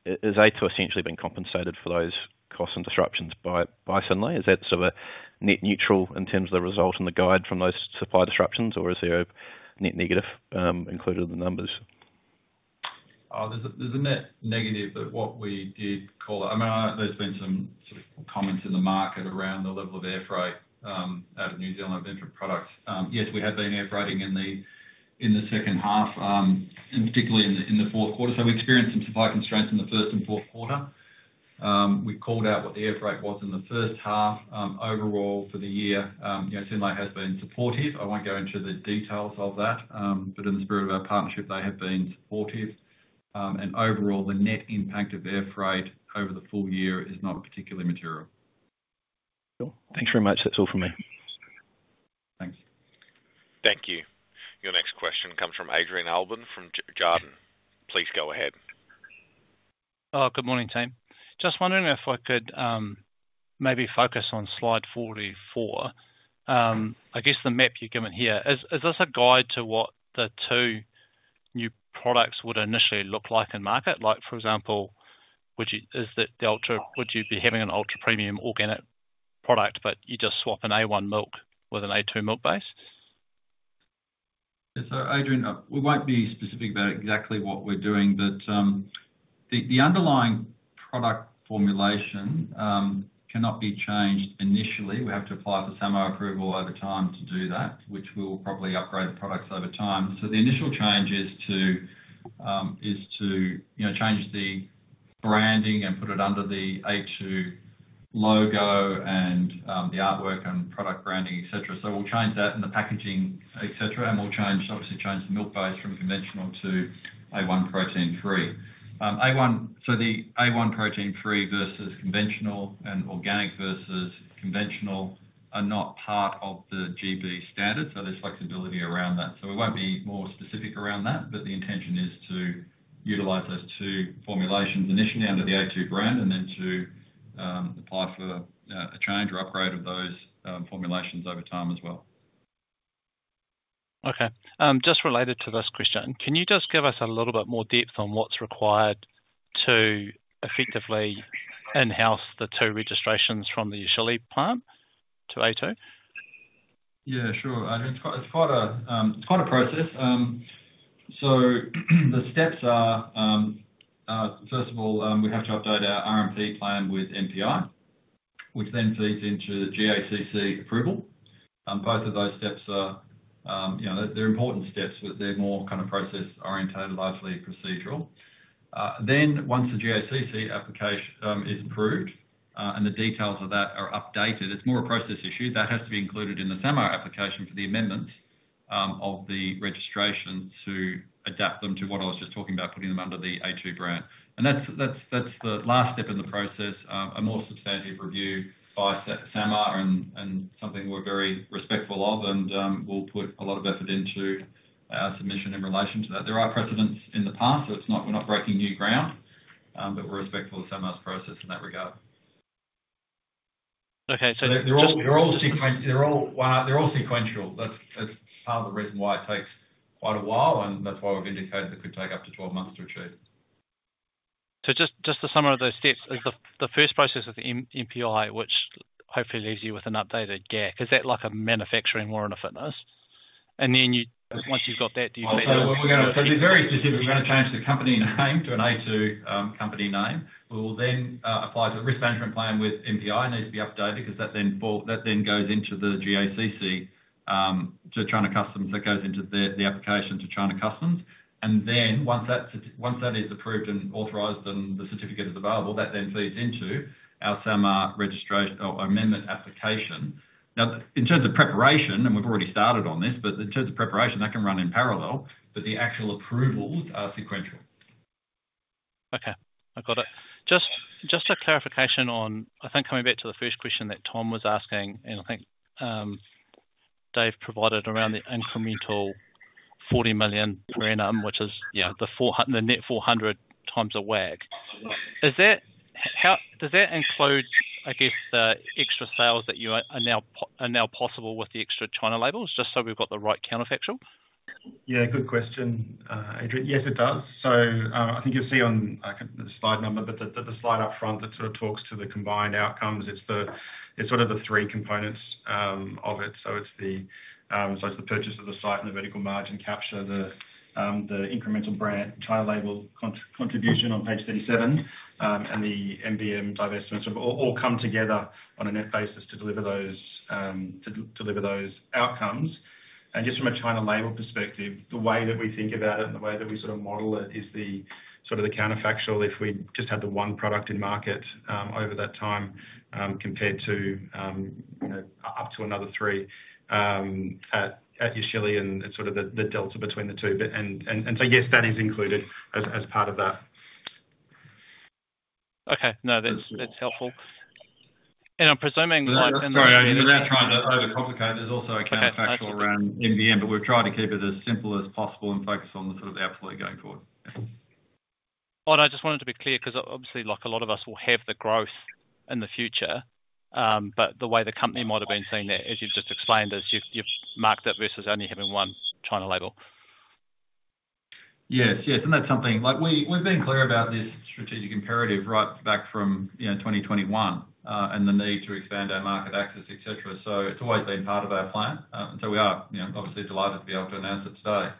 has a2 essentially been compensated for those costs and disruptions by Synlait? Is that sort of a net neutral in terms of the result and the guide from those supply disruptions, or is there a net negative included in the numbers? There's a net negative, that's what we did call it. I mean, there's been some sort of comments in the market around the level of air freight out of New Zealand inventory products. Yes, we have been air freighting in the second half, particularly in the fourth quarter. We experienced some supply constraints in the first and fourth quarter. We called out what the air freight was in the first half. Overall, for the year, Simile has been supportive. I won't go into the details of that, but in the spirit of our partnership, they have been supportive. Overall, the net impact of air freight over the full year is not particularly material. Sure. Thanks very much. That's all from me. Thanks. Thank you. Your next question comes from Adrian Allbon from Jarden. Please go ahead. Oh, good morning, team. Just wondering if I could maybe focus on slide 44. I guess the map you're given here, is this a guide to what the two new products would initially look like in market? Like, for example, would you, is the ultra, would you be having an ultra-premium organic product, but you just swap an A1 milk with an a2 milk base? Yeah, Adrian, we won't be specific about exactly what we're doing, but the underlying product formulation cannot be changed initially. We have to apply for SAMR approval over time to do that, which we will probably upgrade the products over time. The initial change is to change the branding and put it under the a2 logo and the artwork and product branding, et cetera. We'll change that and the packaging, et cetera, and we'll obviously change the milk base from conventional to A1 protein-free. The A1 protein-free versus conventional and organic versus conventional are not part of the GB standard, so there's flexibility around that. We won't be more specific around that, but the intention is to utilize those two formulations initially under the a2 Milk Company brand and then to apply for a change or upgrade of those formulations over time as well. Okay. Just related to this question, can you just give us a little bit more depth on what's required to effectively in-house the two registrations from the Yashili New Zealand plant to a2? Yeah, sure. It's quite a process. The steps are, first of all, we have to update our RMP plan with MPI, which then feeds into GACC approval. Both of those steps are important steps, but they're more kind of process-oriented, largely procedural. Once the GACC application is approved and the details of that are updated, it's more a process issue. That has to be included in the SAMR application for the amendments of the registration to adapt them to what I was just talking about, putting them under the a2 brand. That's the last step in the process, a more substantive review by SAMR and something we're very respectful of and we'll put a lot of effort into our submission in relation to that. There are precedents in the past, so we're not breaking new ground, but we're respectful of SAMR's process in that regard. Okay, so they're all sequential. They're all sequential. That's part of the reason why it takes quite a while, and that's why we've indicated it could take up to 12 months to achieve. Just to summarize those steps, the first process is the MPI, which hopefully leaves you with an updated GAC. Is that like a manufacturing or in a fitness? Once you've got that, do you? To be very specific, we're going to change the company name to an a2 Company name. We will then apply to the risk management plan with MPI and need to be updated because that then goes into the GACC to China customs. That goes into the application to China customs. Once that is approved and authorized and the certificate is available, that then feeds into our SAMR registration or amendment application. In terms of preparation, and we've already started on this, in terms of preparation, that can run in parallel, but the actual approvals are sequential. Okay, I got it. Just a clarification on, I think coming back to the first question that Tom was asking, and I think Dave provided around the incremental 40 million renminbi, which is, you know, the net 400x a WACC. Does that include, I guess, the extra sales that are now possible with the extra China label IMF, just so we've got the right counterfactual? Yeah, good question, Adrian. Yes, it does. I think you'll see on the slide number, but the slide up front that sort of talks to the combined outcomes, it's the sort of the three components of it. It's the purchase of the site and the vertical margin capture, the incremental brand China label contribution on page 37, and the MVM divestment, sort of all come together on a net basis to deliver those outcomes. Just from a China label perspective, the way that we think about it and the way that we sort of model it is the sort of the counterfactual. If we just had the one product in market over that time compared to, you know, up to another three at Yashili and sort of the delta between the two. Yes, that is included as part of that. Okay, no, that's helpful. I'm presuming like. Sorry, I'm not trying to overcomplicate. There's also a counterfactual around MVM, but we've tried to keep it as simple as possible and focus on the sort of the output going forward. I just wanted to be clear because obviously, like a lot of us will have the growth in the future, the way the company might have been seeing that, as you've just explained, is you've marked it versus only having one China label. Yes, yes, and that's something like we've been clear about this strategic imperative right back from, you know, 2021 and the need to expand our market access, et cetera. It's always been part of our plan. We are, you know, obviously delighted to be able to announce it today.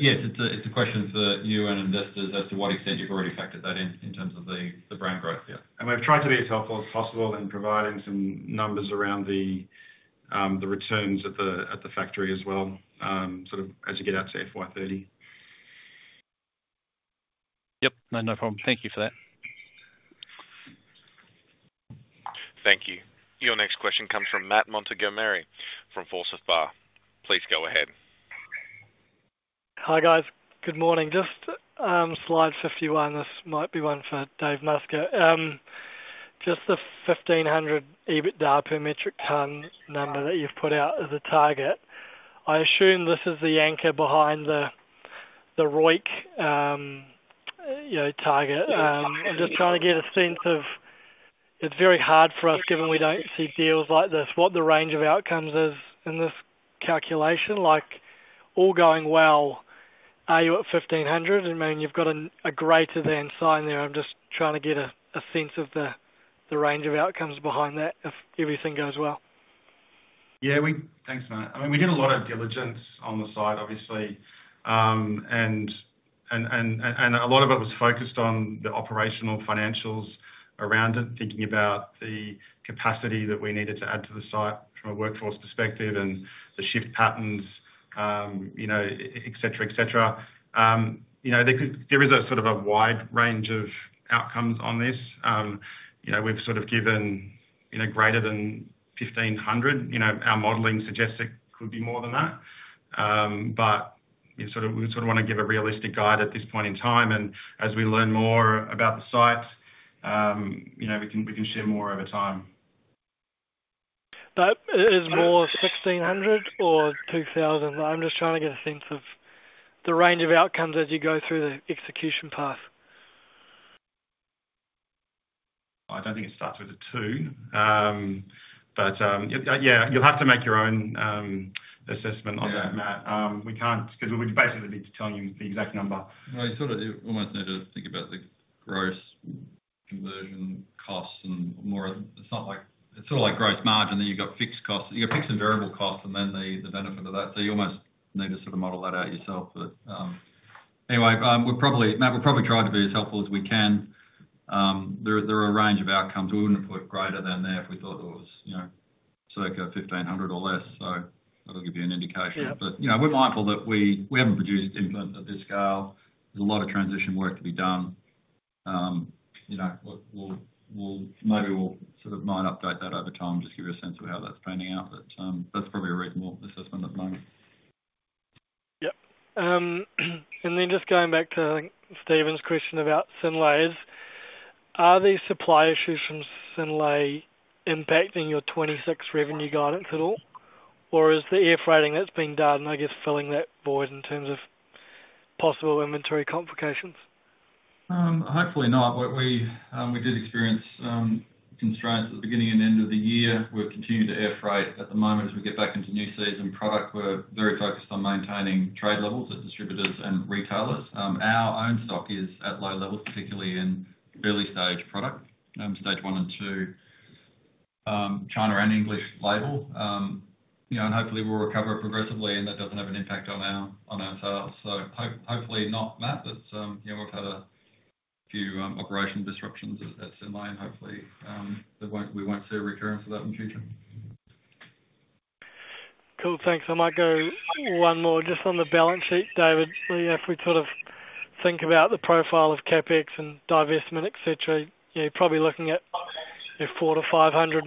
Yes, it's a question for you and investors as to what extent you've already factored that in in terms of the brand growth. We've tried to be as helpful as possible and provide in some numbers around the returns at the factory as well, sort of as you get out to FY 2030. No problem. Thank you for that. Thank you. Your next question comes from Matt Montgomerie from Forsyth Barr. Please go ahead. Hi guys, good morning. Just slide 51, this might be one for David Muscat. Just the 1,500 EBITDA per metric ton number that you've put out as a target. I assume this is the anchor behind the ROIC target. I'm just trying to get a sense of, it's very hard for us given we don't see deals like this, what the range of outcomes is in this calculation. Like all going well, are you at 1,500? I mean, you've got a greater than sign there. I'm just trying to get a sense of the range of outcomes behind that if everything goes well. Yeah, thanks Matt. I mean, we did a lot of diligence on the site, obviously. A lot of it was focused on the operational financials around it, thinking about the capacity that we needed to add to the site from a workforce perspective and the shift patterns, you know, et cetera, et cetera. There is a sort of a wide range of outcomes on this. We've sort of given, you know, greater than 1,500. Our modeling suggests it could be more than that. We sort of want to give a realistic guide at this point in time. As we learn more about the site, we can share more over time. Is it more 1,600 or 2,000? I'm just trying to get a sense of the range of outcomes as you go through the execution path. I don't think it starts with a two. You'll have to make your own assessment on that, Matt. We can't, because we basically need to tell you the exact number. You sort of do almost need to think about the gross conversion costs and more of the stuff like, it's sort of like gross margin. Then you've got fixed costs. You've got fixed and variable costs, and then the benefit of that. You almost need to sort of model that out yourself. Anyway, Matt, we'll probably try to be as helpful as we can. There are a range of outcomes. We wouldn't have put greater than there if we thought it was, you know, circa 1,500 or less. That'll give you an indication. We're mindful that we haven't produced input at this scale. There's a lot of transition work to be done. Maybe we'll sort of might update that over time, just give you a sense of how that's panning out. That's probably a reasonable assessment at the moment. Just going back to Steven's question about Simile's, are the supply issues from Simile impacting your 2026 revenue guidance at all? Or is the air freighting that's been done, I guess, filling that void in terms of possible inventory complications? Hopefully not. We did experience constraints at the beginning and end of the year. We've continued to air freight. At the moment, as we get back into new season product, we're very focused on maintaining trade levels at distributors and retailers. Our own stock is at low levels, particularly in fairly safe product, stage one and two, China and English label. Hopefully we'll recover progressively, and that doesn't have an impact on our sales. Hopefully not, Matt. We've had a few operational disruptions at Simile, and hopefully we won't see a recurrence of that in the future. Cool, thanks. I might go one more just on the balance sheet, David. If we sort of think about the profile of CapEx and divestment, et cetera, you're probably looking at, you know, 400 millon-NZD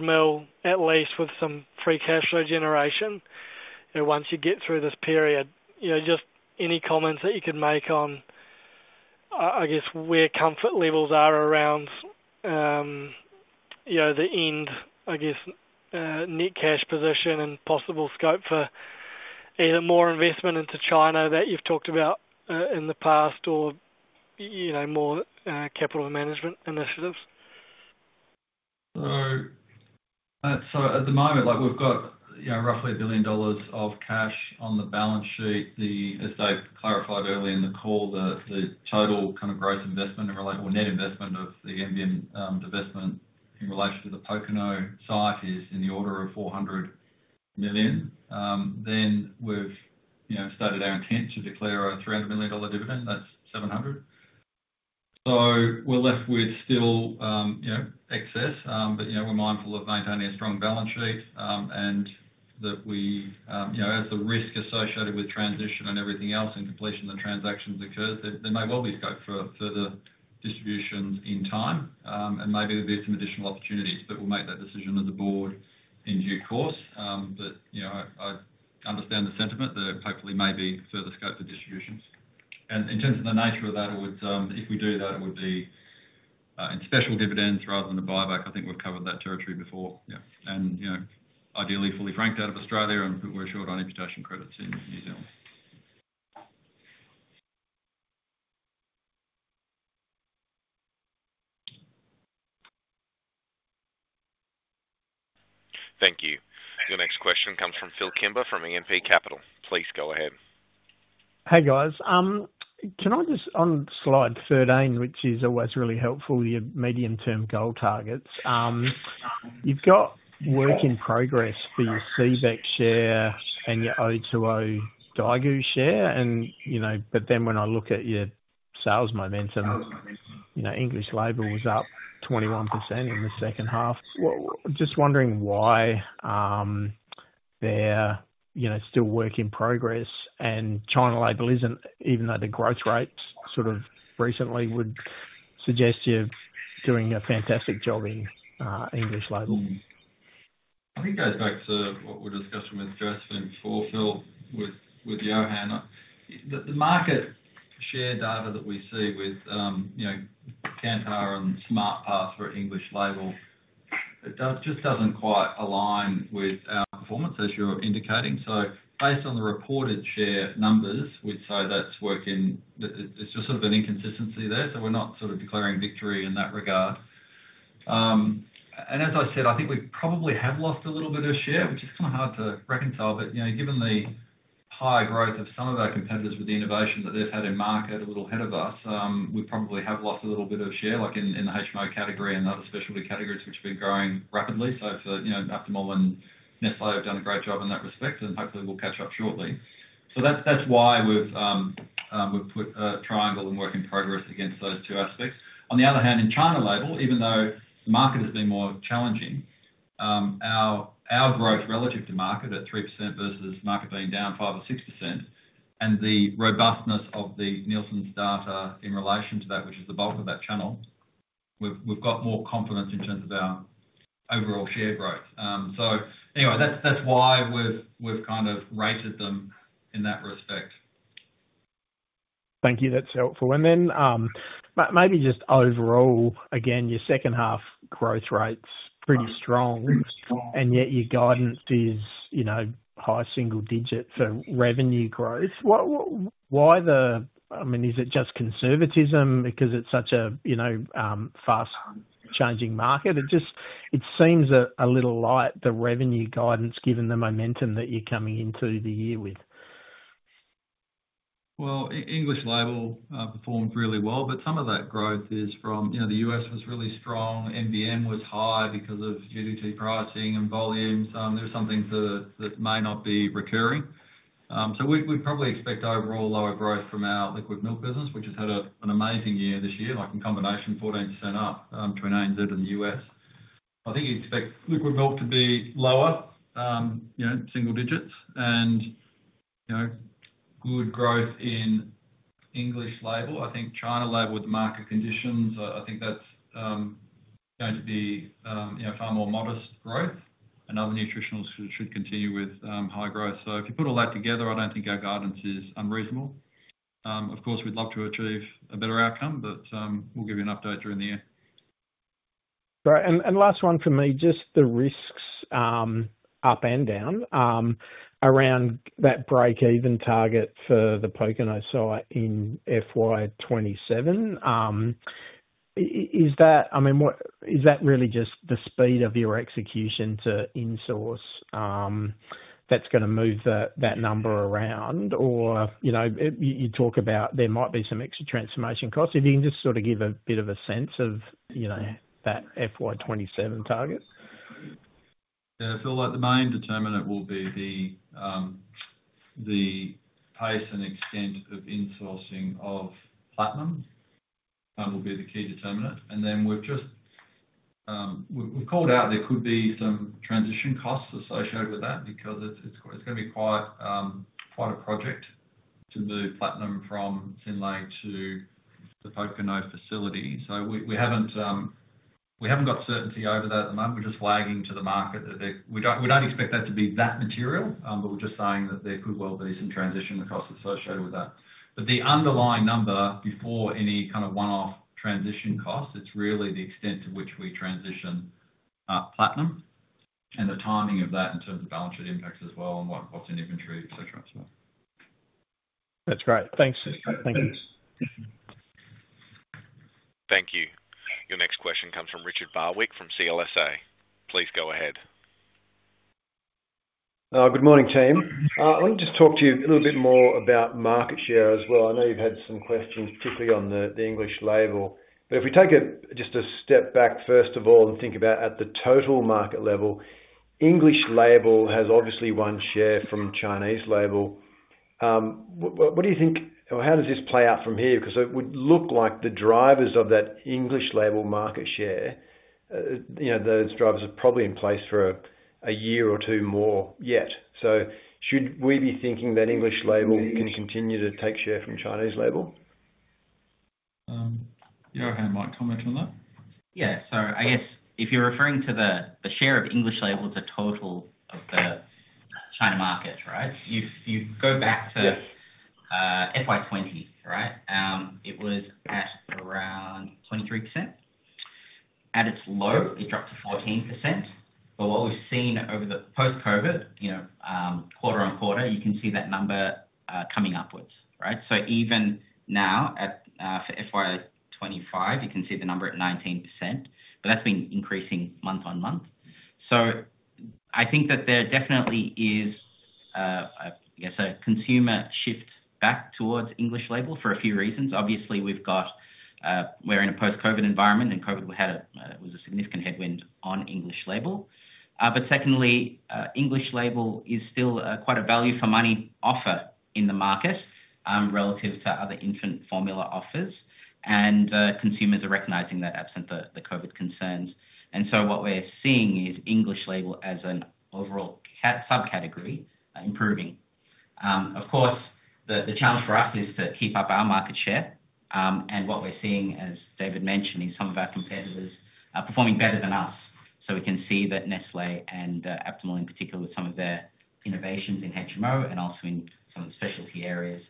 500 million at least with some free cash flow generation. Once you get through this period, just any comments that you could make on, I guess, where comfort levels are around the end, I guess, net cash position and possible scope for either more investment into China that you've talked about in the past or more capital management initiatives. At the moment, we've got roughly 1 billion dollars of cash on the balance sheet. As Dave clarified earlier in the call, the total kind of gross investment or net investment of the MVM divestment in relation to the Pokeno site is in the order of 400 million. We've stated our intent to declare a 300 million dollar dividend. That's 700 million, so we're left with still excess. We're mindful of maintaining a strong balance sheet and that, as the risk associated with transition and everything else in completion of the transactions occurs, there may well be scope for further distributions in time. There may be some additional opportunities that will make that decision of the board in due course. I understand the sentiment that hopefully may be further scope for distributions. In terms of the nature of that, if we do that, it would be in special dividends rather than a buyback. I think we've covered that territory before. Ideally, fully franked out of Australia, and we're short on imputation credits in New Zealand. Thank you. Your next question comes from Phillip Kimber from E&P Capital. Please go ahead. Hey guys, can I just on slide 13, which is always really helpful, your medium-term goal targets, you've got work in progress for your CBEC share and your O2O Daigou share. When I look at your sales momentum, you know, English label was up 21% in the second half. I'm just wondering why they're still work in progress and China label isn't, even though the growth rates sort of recently would suggest you're doing a fantastic job in English label. I think it goes back to what we discussed from Josephine Forde before, Phil, with Yohan. The market share data that we see with, you know, Kantar and SmartPath for English label, it just doesn't quite align with our performance, as you're indicating. Based on the reported share numbers, we'd say that's working. It's just sort of an inconsistency there. We're not sort of declaring victory in that regard. As I said, I think we probably have lost a little bit of share, which is kind of hard to reconcile. Given the higher growth of some of our competitors with the innovation that they've had in market a little ahead of us, we probably have lost a little bit of share, like in the HMO category and other specialty categories, which have been growing rapidly. For, you know, Nut to Mull and Nestlé have done a great job in that respect, and hopefully we'll catch up shortly. That's why we've put a triangle and work in progress against those two aspects. On the other hand, in China label, even though the market has been more challenging, our growth relative to market at 3% versus market being down 5% or 6%, and the robustness of the Nielsen's data in relation to that, which is the bulk of that channel, we've got more confidence in terms of our overall share growth. That's why we've kind of rated them in that respect. Thank you. That's helpful. Maybe just overall, again, your second half growth rate's pretty strong, and yet your guidance is, you know, high single digit for revenue growth. Is it just conservatism because it's such a, you know, fast-changing market? It just seems a little light, the revenue guidance, given the momentum that you're coming into the year with. English label performed really well, but some of that growth is from, you know, the U.S. was really strong. MBM was high because of GDP pricing and volumes. There's something that may not be recurring. We'd probably expect overall lower growth from our liquid milk business, which has had an amazing year this year, like in combination 14% up to ANZ in the U.S. I think you expect liquid milk to be lower, you know, single digits, and, you know, good growth in English label. I think China label with the market conditions, I think that's, you know, far more modest growth, and other nutritionals should continue with high growth. If you put all that together, I don't think our guidance is unreasonable. Of course, we'd love to achieve a better outcome, but we'll give you an update during the year. Right. Last one for me, just the risks up and down around that break-even target for the Pokeno site in FY 2027. Is that, I mean, is that really just the speed of your execution to insource that's going to move that number around? You talk about there might be some extra transformation costs. If you can just sort of give a bit of a sense of that FY 2027 target. Yeah, I feel like the main determinant will be the pace and extent of insourcing of Platinum will be the key determinant. We've called out there could be some transition costs associated with that because it's going to be quite a project to move Platinum from Synlait to the Pokeno facility. We haven't got certainty over that at the moment. We're just flagging to the market that we don't expect that to be that material, but we're just saying that there could well be some transition costs associated with that. The underlying number before any kind of one-off transition costs, it's really the extent to which we transition Platinum and the timing of that in terms of balance sheet impacts as well and what's in inventory, et cetera. That's great. Thanks. Thank you. Thank you. Your next question comes from Richard Barwick from CLSA. Please go ahead. Good morning, team. I want to just talk to you a little bit more about market share as well. I know you've had some questions, particularly on the English label. If we take just a step back, first of all, and think about at the total market level, English label has obviously won share from China label. What do you think, or how does this play out from here? It would look like the drivers of that English label market share, you know, those drivers are probably in place for a year or two more yet. Should we be thinking that English label can continue to take share from China label? Yohan might comment on that. Yeah, so I guess if you're referring to the share of English label to total of the China market, right, if you go back to FY 2020, it was at around 23%. At its low, it dropped to 14%. What we've seen over the post-COVID, quarter-on-quarter, you can see that number coming upwards, right? Even now for FY 2025, you can see the number at 19%, but that's been increasing month on month. I think that there definitely is, I guess, a consumer shift back towards English label for a few reasons. Obviously, we're in a post-COVID environment, and COVID had a significant headwind on English label. Secondly, English label is still quite a value for money offer in the market relative to other infant formula offers, and consumers are recognizing that absent the COVID concerns. What we're seeing is English label as an overall subcategory improving. Of course, the challenge for us is to keep up our market share, and what we're seeing, as David mentioned, is some of our competitors are performing better than us. We can see that Nestlé and Aptamil in particular, with some of their innovations in HMO and also in some of the specialty areas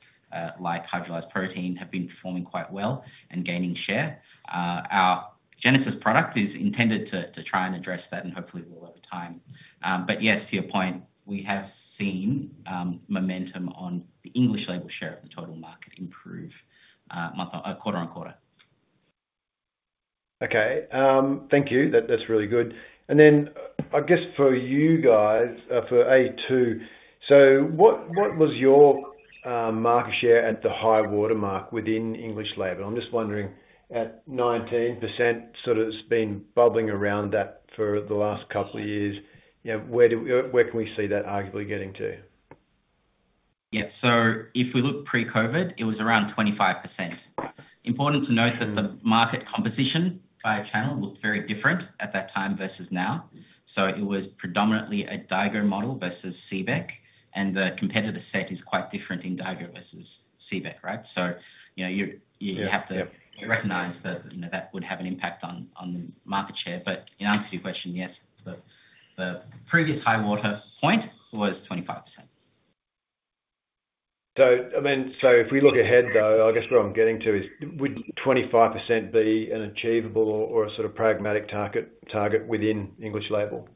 like hydrolyzed protein, have been performing quite well and gaining share. Our Genesis product is intended to try and address that and hopefully will over time. Yes, to your point, we have seen momentum on the English label share of the total market improve quarter on quarter. Okay, thank you. That's really good. I guess for you guys, for The a2, what was your market share at the high watermark within English label? I'm just wondering, at 19%, it's been bubbling around that for the last couple of years. You know, where can we see that arguably getting to? Yeah, so if we look pre-COVID, it was around 25%. Important to note that the market composition by channel looked very different at that time versus now. It was predominantly a daigou model versus CBEC, and the competitor set is quite different in daigou versus CBEC, right? You have to recognize that would have an impact on the market share. In answer to your question, yes, the previous high water point was 25%. If we look ahead though, I guess where I'm getting to is, would 25% be an achievable or a sort of pragmatic target within English label?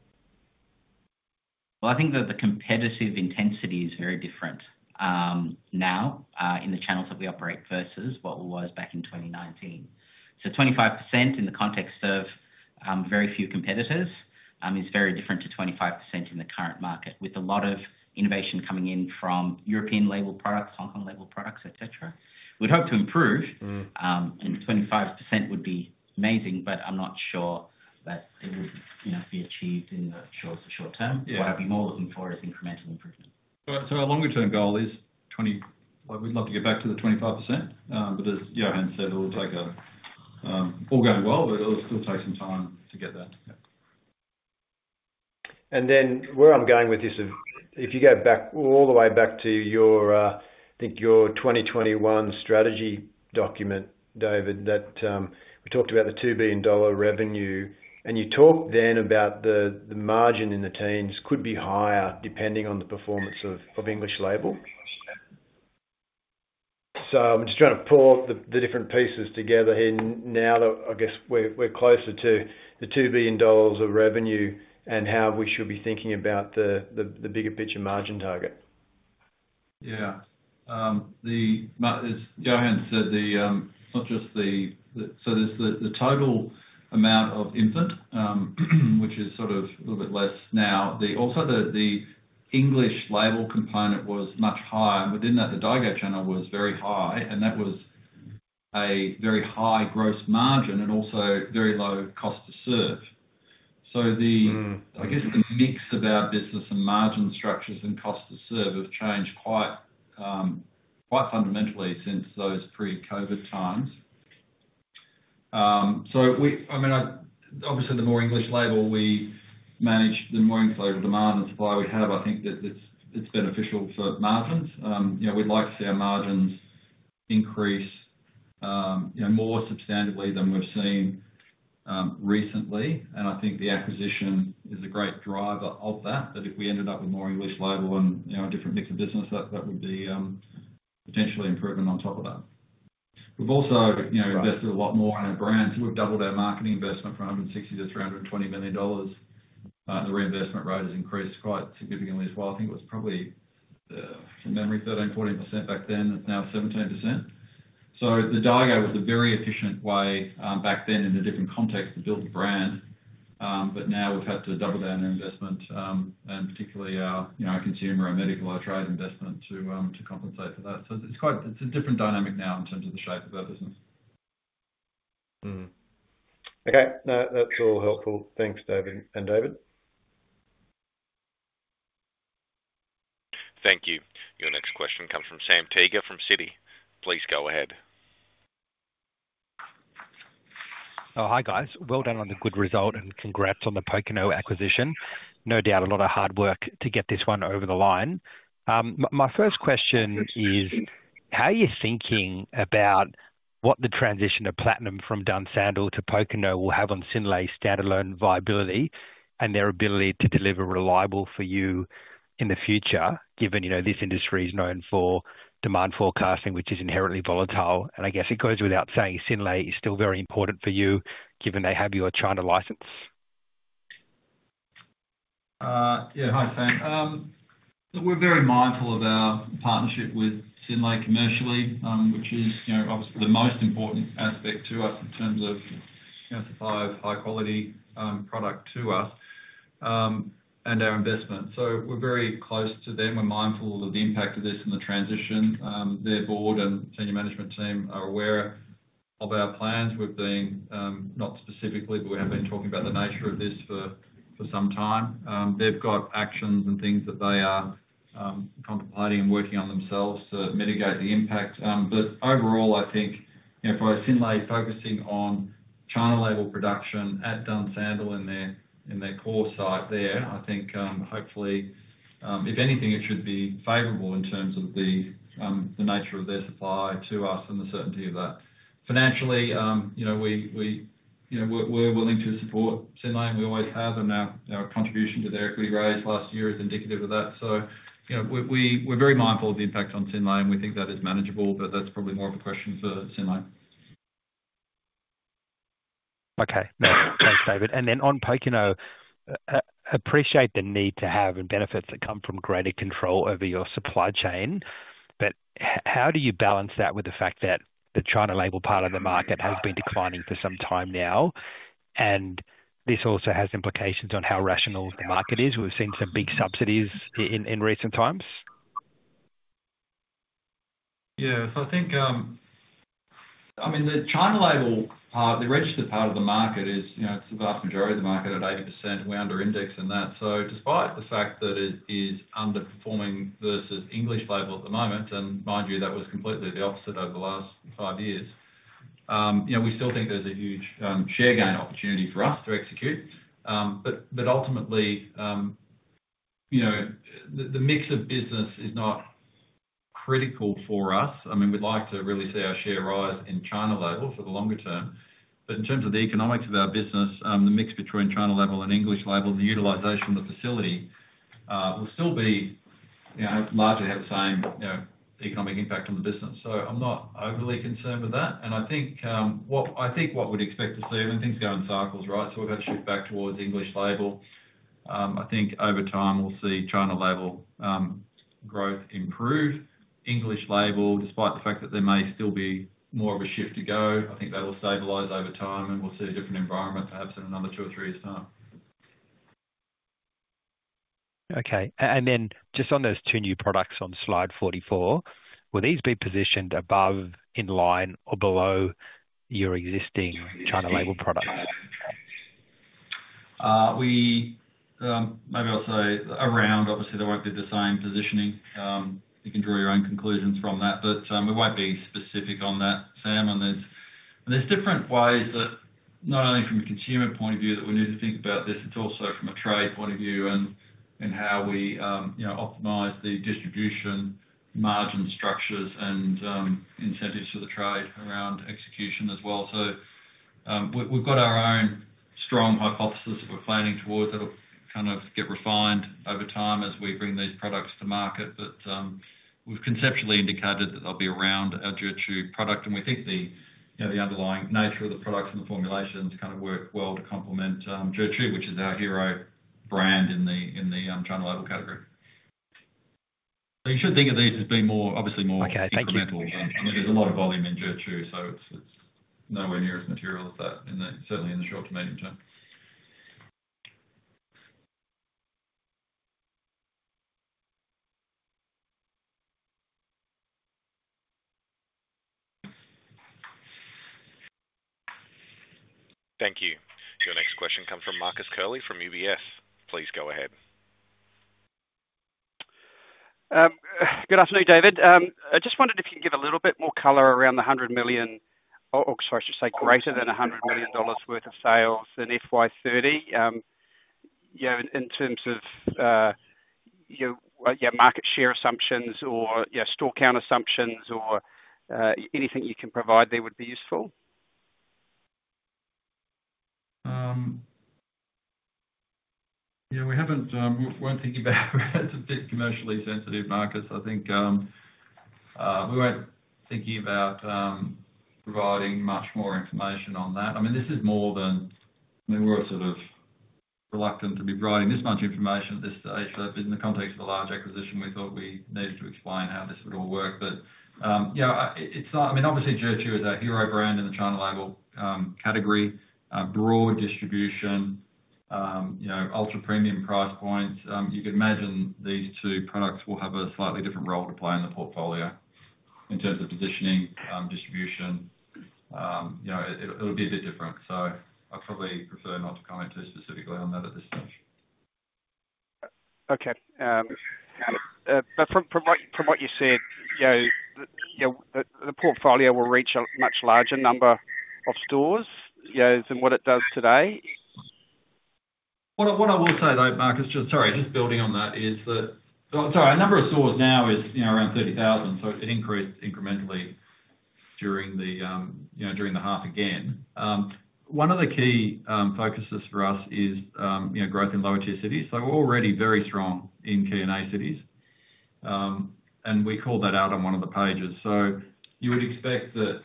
I think that the competitive intensity is very different now in the channels that we operate versus what it was back in 2019. 25% in the context of very few competitors is very different to 25% in the current market, with a lot of innovation coming in from European label products, Hong Kong label products, et cetera. We'd hope to improve, and 25% would be amazing, but I'm not sure that it would be achieved in the short term. What I'd be more looking for is incremental improvement. Our longer-term goal is 20%. We'd love to get back to the 25%, but as Yohan said, it'll take a, all going well, but it'll still take some time to get there. Where I'm going with this, if you go all the way back to your, I think your 2021 strategy document, David, that we talked about the 2 billion dollar revenue, and you talked then about the margin in the teens could be higher depending on the performance of English label. I'm just trying to pull the different pieces together here. Now that I guess we're closer to the 2 billion dollars of revenue and how we should be thinking about the bigger picture margin target. Yeah, Yohan said the, not just the, so there's the total amount of infant, which is sort of a little bit less now. Also, the English label component was much higher, but then the Daigou channel was very high, and that was a very high gross margin and also very low cost to serve. I guess the mix of business and margin structures and cost to serve have changed quite fundamentally since those pre-COVID times. Obviously, the more English label we manage, the more inflated demand and supply we have. I think that it's beneficial for margins. We'd like to see our margins increase more substantively than we've seen recently, and I think the acquisition is a great driver of that. If we ended up with more English label and a different mix of business, that would be potentially improvement on top of that. We've also invested a lot more in our brands. We've doubled our marketing investment from 160 millon-NZD 320 million. The reinvestment rate has increased quite significantly as well. I think it was probably, if I can't remember, 13% or 14% back then, it's now 17%. The Daigou was a very efficient way back then in a different context to build the brand, but now we've had to double down on investment and particularly our consumer and medical, our trade investment to compensate for that. It's a different dynamic now in terms of the shape of our business. Okay, no, that's all helpful. Thanks, David. Thank you. Your next question comes from Sam Teeger from Citi. Please go ahead. Oh, hi guys. Well done on the good result and congrats on the Pokeno acquisition. No doubt, a lot of hard work to get this one over the line. My first question is, how are you thinking about what the transition to Platinum from Dunsandel to Pokeno will have on Synlait's standalone viability and their ability to deliver reliably for you in the future, given, you know, this industry is known for demand forecasting, which is inherently volatile. I guess it goes without saying Synlait is still very important for you, given they have your China license. Yeah, hi, Sam. We're very mindful of our partnership with Synlait commercially, which is obviously the most important aspect to us in terms of supply of high-quality product to us and our investment. We're very close to them. We're mindful of the impact of this and the transition. Their board and Senior Management team are aware of our plans. We've been, not specifically, but we have been talking about the nature of this for some time. They've got actions and needs they are contemplating and working on themselves to mitigate the impact. Overall, I think for Synlait focusing on China label production at Dunsandel in their core site there, I think hopefully, if anything, it should be favorable in terms of the nature of their supply to us and the certainty of that. Financially, we're willing to support Synlait and we always have and our contribution to their equity raise last year is indicative of that. We're very mindful of the impact on Synlait and we think that is manageable, but that's probably more of a question for Synlait. Okay, no, thanks David. On Pokeno, I appreciate the need to have and benefits that come from greater control over your supply chain, but how do you balance that with the fact that the China label part of the market has been declining for some time now, and this also has implications on how rational the market is? We've seen some big subsidies in recent times. Yeah, I think the China label part, the registered part of the market is the vast majority of the market at 80%. We're under indexed in that. Despite the fact that it is underperforming versus English label at the moment, and mind you, that was completely the opposite over the last five years, we still think there's a huge share gain opportunity for us to execute. Ultimately, the mix of business is not critical for us. We'd like to really see our share rise in China label for the longer term. In terms of the economics of our business, the mix between China label and English label and the utilization of the facility will still largely have the same economic impact on the business. I'm not overly concerned with that. What we'd expect to see, things go in cycles, right? We've had a shift back towards English label. I think over time we'll see China label growth improve. English label, despite the fact that there may still be more of a shift to go, I think that'll stabilize over time and we'll see a different environment perhaps in another two or three years' time. Okay, and then just on those two new products on slide 44, will these be positioned above, in line, or below your existing China label products? Maybe I'll say around, obviously they won't be the same positioning. You can draw your own conclusions from that, but we won't be specific on that, Sam. There are different ways that not only from a consumer point of view that we need to think about this, it's also from a trade point of view and how we optimize the distribution margin structures and incentives for the trade around execution as well. We've got our own strong hypothesis that we're planning towards that will get refined over time as we bring these products to market. We've conceptually indicated that they'll be around our Zhi Chu product. We think the underlying nature of the products and the formulations work well to complement Zhi Chu, which is our hero brand in the China label category. You should think of these as being more, obviously more complementary. There's a lot of volume in Zhi Chu, so it's nowhere near as material as that, and certainly in the short to medium term. Thank you. Your next question comes from Marcus Curley from UBS. Please go ahead. Good afternoon, David. I just wondered if you can give a little bit more color around the 100 million, or sorry, I should say greater than 100 million dollars worth of sales in FY 2030. In terms of market share assumptions or store count assumptions or anything you can provide there would be useful. Yeah, we haven't, we weren't thinking about, it's a bit commercially sensitive market, so I think we weren't thinking about providing much more information on that. I mean, this is more than, I mean, we're sort of reluctant to be providing this much information at this stage. In the context of a large acquisition, we thought we needed to explain how this would all work. Yeah, it's, I mean, obviously Zhi Chu is our hero brand in the China label category, broad distribution, you know, ultra premium price points. You could imagine these two products will have a slightly different role to play in the portfolio in terms of positioning, distribution. It'll be a bit different. I'd probably prefer not to comment too specifically on that at this stage. Okay. From what you said, you know, the portfolio will reach a much larger number of stores than what it does today. What I will say though, Marcus, just building on that is that our number of stores now is around 30,000, so it increased incrementally during the half again. One of the key focuses for us is growth in lower tier cities. We're already very strong in K&A cities, and we called that out on one of the pages. You would expect that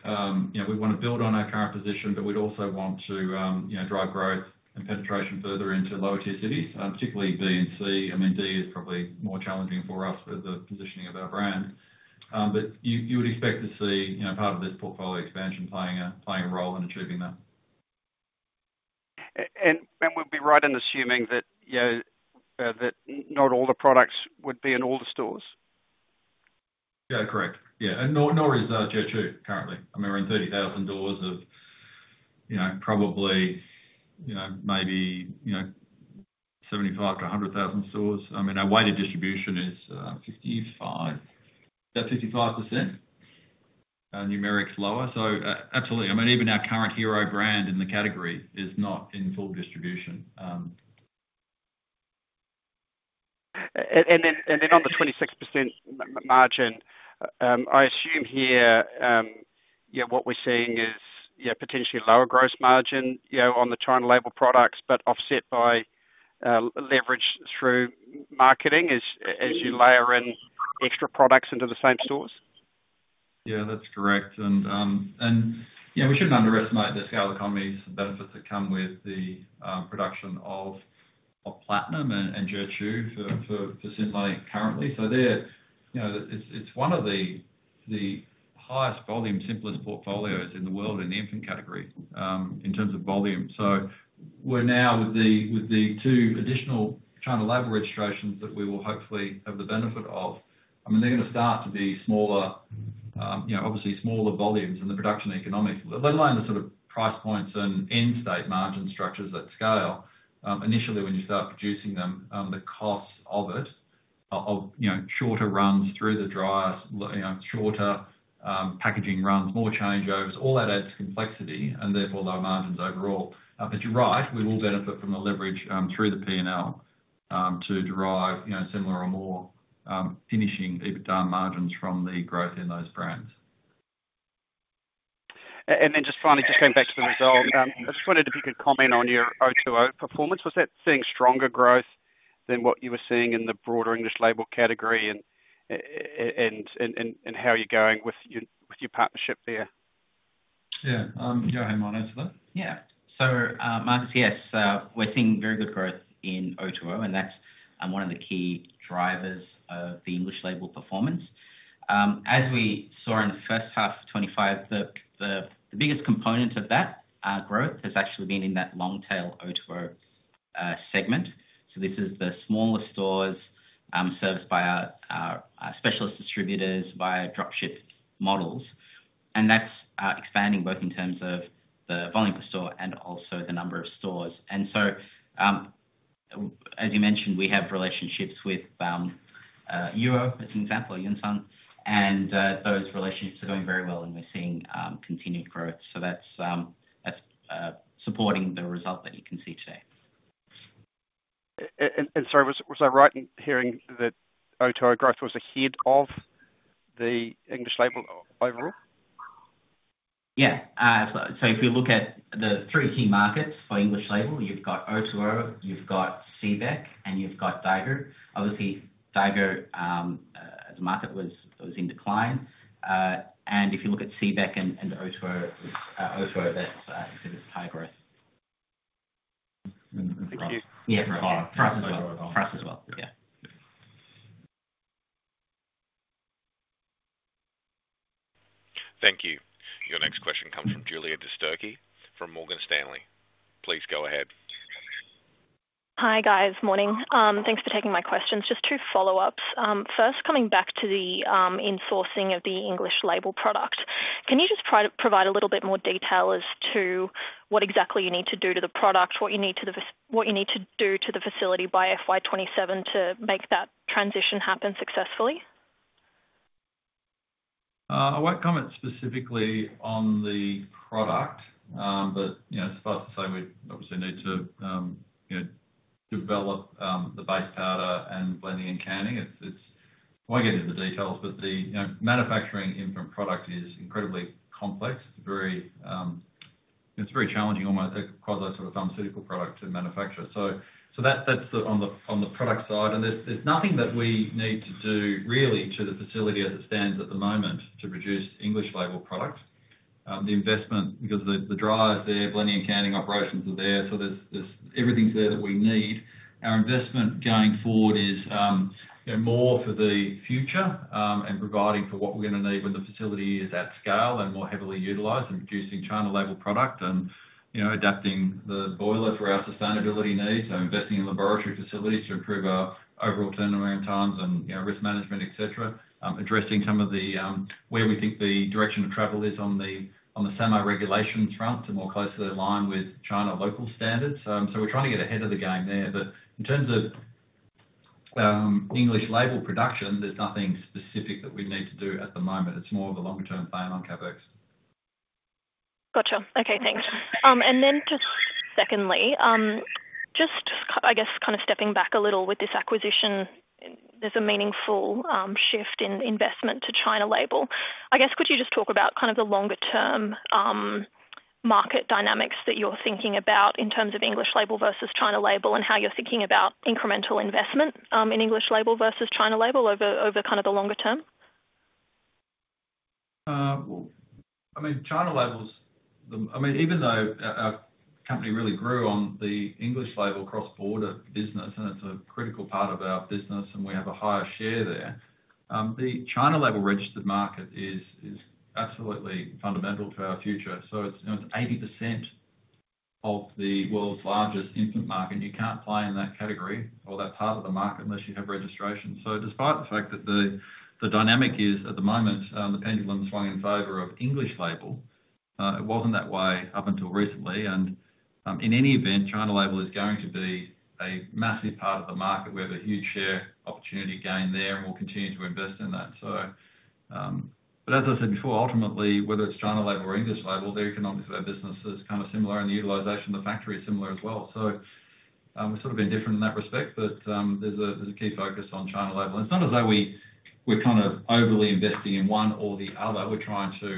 we want to build on our current position, but we'd also want to drive growth and penetration further into lower tier cities, particularly B, C and D is probably more challenging for us with the positioning of our brand. You would expect to see part of this portfolio expansion playing a role in achieving that. We'd be right in assuming that, you know, not all the products would be in all the stores. Yeah, correct. Nor is our Zhi Chu currently. We're in 30,000 doors of, you know, probably, maybe, you know, 75,000 to 100,000 stores. Our weighted distribution is about 55%, numerics lower. Absolutely, even our current hero brand in the category is not in full distribution. On the 26% margin, I assume here, what we're seeing is potentially lower gross margin on the China label products, but offset by leverage through marketing as you layer in extra products into the same stores. Yeah, that's correct. We shouldn't underestimate the scale of economies and benefits that come with the production of Platinum and Zhi Chu for Synlait currently. It's one of the highest volume, simplest portfolios in the world in the infant category in terms of volume. We're now with the two additional China label registrations that we will hopefully have the benefit of. I mean, they're going to start to be smaller, obviously smaller volumes in the production economic, let alone the sort of price points and end state margin structures at scale. Initially, when you start producing them, the costs of it, of shorter runs through the drier, shorter packaging runs, more changeovers, all that adds complexity and therefore low margins overall. You're right, we will benefit from a leverage through the P&L to derive similar or more finishing EBITDA margins from the growth in those brands. Just finally, going back to the result, I just wondered if you could comment on your O2O performance. Was that seeing stronger growth than what you were seeing in the broader English label category, and how you're going with your partnership there? Yohan, you want to answer that? Yeah, so Marcus, yes, we're seeing very good growth in O2O and that's one of the key drivers of the English label performance. As we saw in the first half of 2025, the biggest component of that growth has actually been in that long-tail O2O segment. This is the smaller stores serviced by our specialist distributors via dropship models. That's expanding both in terms of the volume per store and also the number of stores. As you mentioned, we have relationships with Euro, as an example, Yun Sun, and those relationships are going very well and we're seeing continued growth. That's supporting the result that you can see today. Was I right in hearing that O2O growth was ahead of the English label overall? Yeah, absolutely. If you look at the three key markets for English label, you've got O2O, you've got CBEC, and you've got Daigou. Obviously, Daigou, the market was in decline. If you look at CBEC and O2O, I would have thought it was higher growth. Yeah, for us as well. Thank you. Your next question comes from Julia de Sterke from Morgan Stanley. Please go ahead. Hi guys, morning. Thanks for taking my questions. Just two follow-ups. First, coming back to the insourcing of the English label product. Can you just provide a little bit more detail as to what exactly you need to do to the product, what you need to do to the facility by FY 2027 to make that transition happen successfully? I won't comment specifically on the product, but it's fair to say we obviously need to develop the base powder and the blending and canning. I won't get into the details, but manufacturing infant product is incredibly complex. It's very challenging, almost across those sort of pharmaceutical products to manufacture. That's on the product side. There's nothing that we need to do really to the facility as it stands at the moment to produce English label product. The investment, because the dryers, the blending and canning operations are there, so everything's there that we need. Our investment going forward is more for the future and providing for what we're going to need when the facility is at scale and more heavily utilized and producing China label product and adapting the boiler for our sustainability needs. Investing in laboratory facilities to improve our overall turnaround times and risk management, etc. Addressing where we think the direction of travel is on the semi regulations front to more closely align with China local standards. We're trying to get ahead of the game there. In terms of English label production, there's nothing specific that we need to do at the moment. It's more of a longer-term plan on CapEx. Gotcha. Okay, thanks. Just secondly, I guess kind of stepping back a little with this acquisition, there's a meaningful shift in investment to China label. I guess could you just talk about the longer-term market dynamics that you're thinking about in terms of English label versus China label and how you're thinking about incremental investment in English label versus China label over the longer term? China label, even though our company really grew on the English label cross-border business, and it's a critical part of our business, and we have a higher share there, the China label registered market is absolutely fundamental to our future. It's 80% of the world's largest infant market, and you can't play in that category or that part of the market unless you have registration. Despite the fact that the dynamic is at the moment, the pendulum swung in favor of English label, it wasn't that way up until recently. In any event, China label is going to be a massive part of the market. We have a huge share opportunity gain there, and we'll continue to invest in that. As I said before, ultimately, whether it's China label or English label, the economics of our business is kind of similar, and the utilization of the factory is similar as well. We're sort of indifferent in that respect, but there's a key focus on China label. It's not as though we're kind of overly investing in one or the other. We're trying to,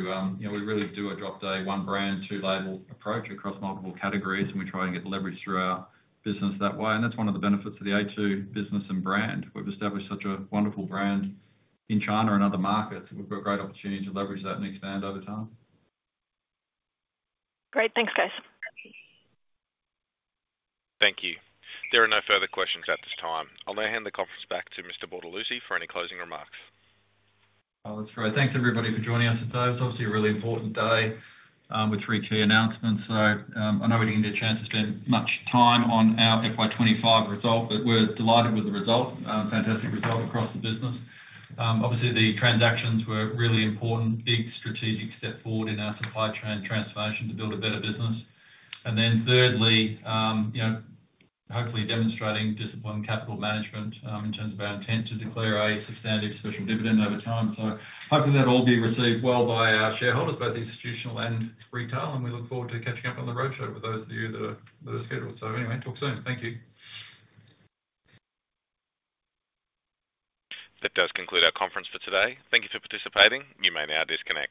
you know, we really do a drop-day, one brand, two label approach across multiple categories, and we try and get leverage through our business that way. That's one of the benefits of The a2 business and brand. We've established such a wonderful brand in China and other markets, and we've got a great opportunity to leverage that and expand over time. Great, thanks guys. Thank you. There are no further questions at this time. I'll now hand the conference back to Mr. Bortolussi for any closing remarks. That's great. Thanks everybody for joining us today. It was obviously a really important day with three key announcements. I know we didn't get a chance to spend much time on our FY 2025 result, but we're delighted with the result. Fantastic result across the business. Obviously, the transactions were really important, a big strategic step forward in our supply chain transformation to build a better business. Thirdly, hopefully demonstrating discipline capital management in terms of our intent to declare a substantive special dividend over time. Hopefully that will all be received well by our shareholders, both institutional and retail, and we look forward to catching up on the roadshow with those of you that are scheduled. Talk soon. Thank you. That does conclude our conference for today. Thank you for participating. You may now disconnect.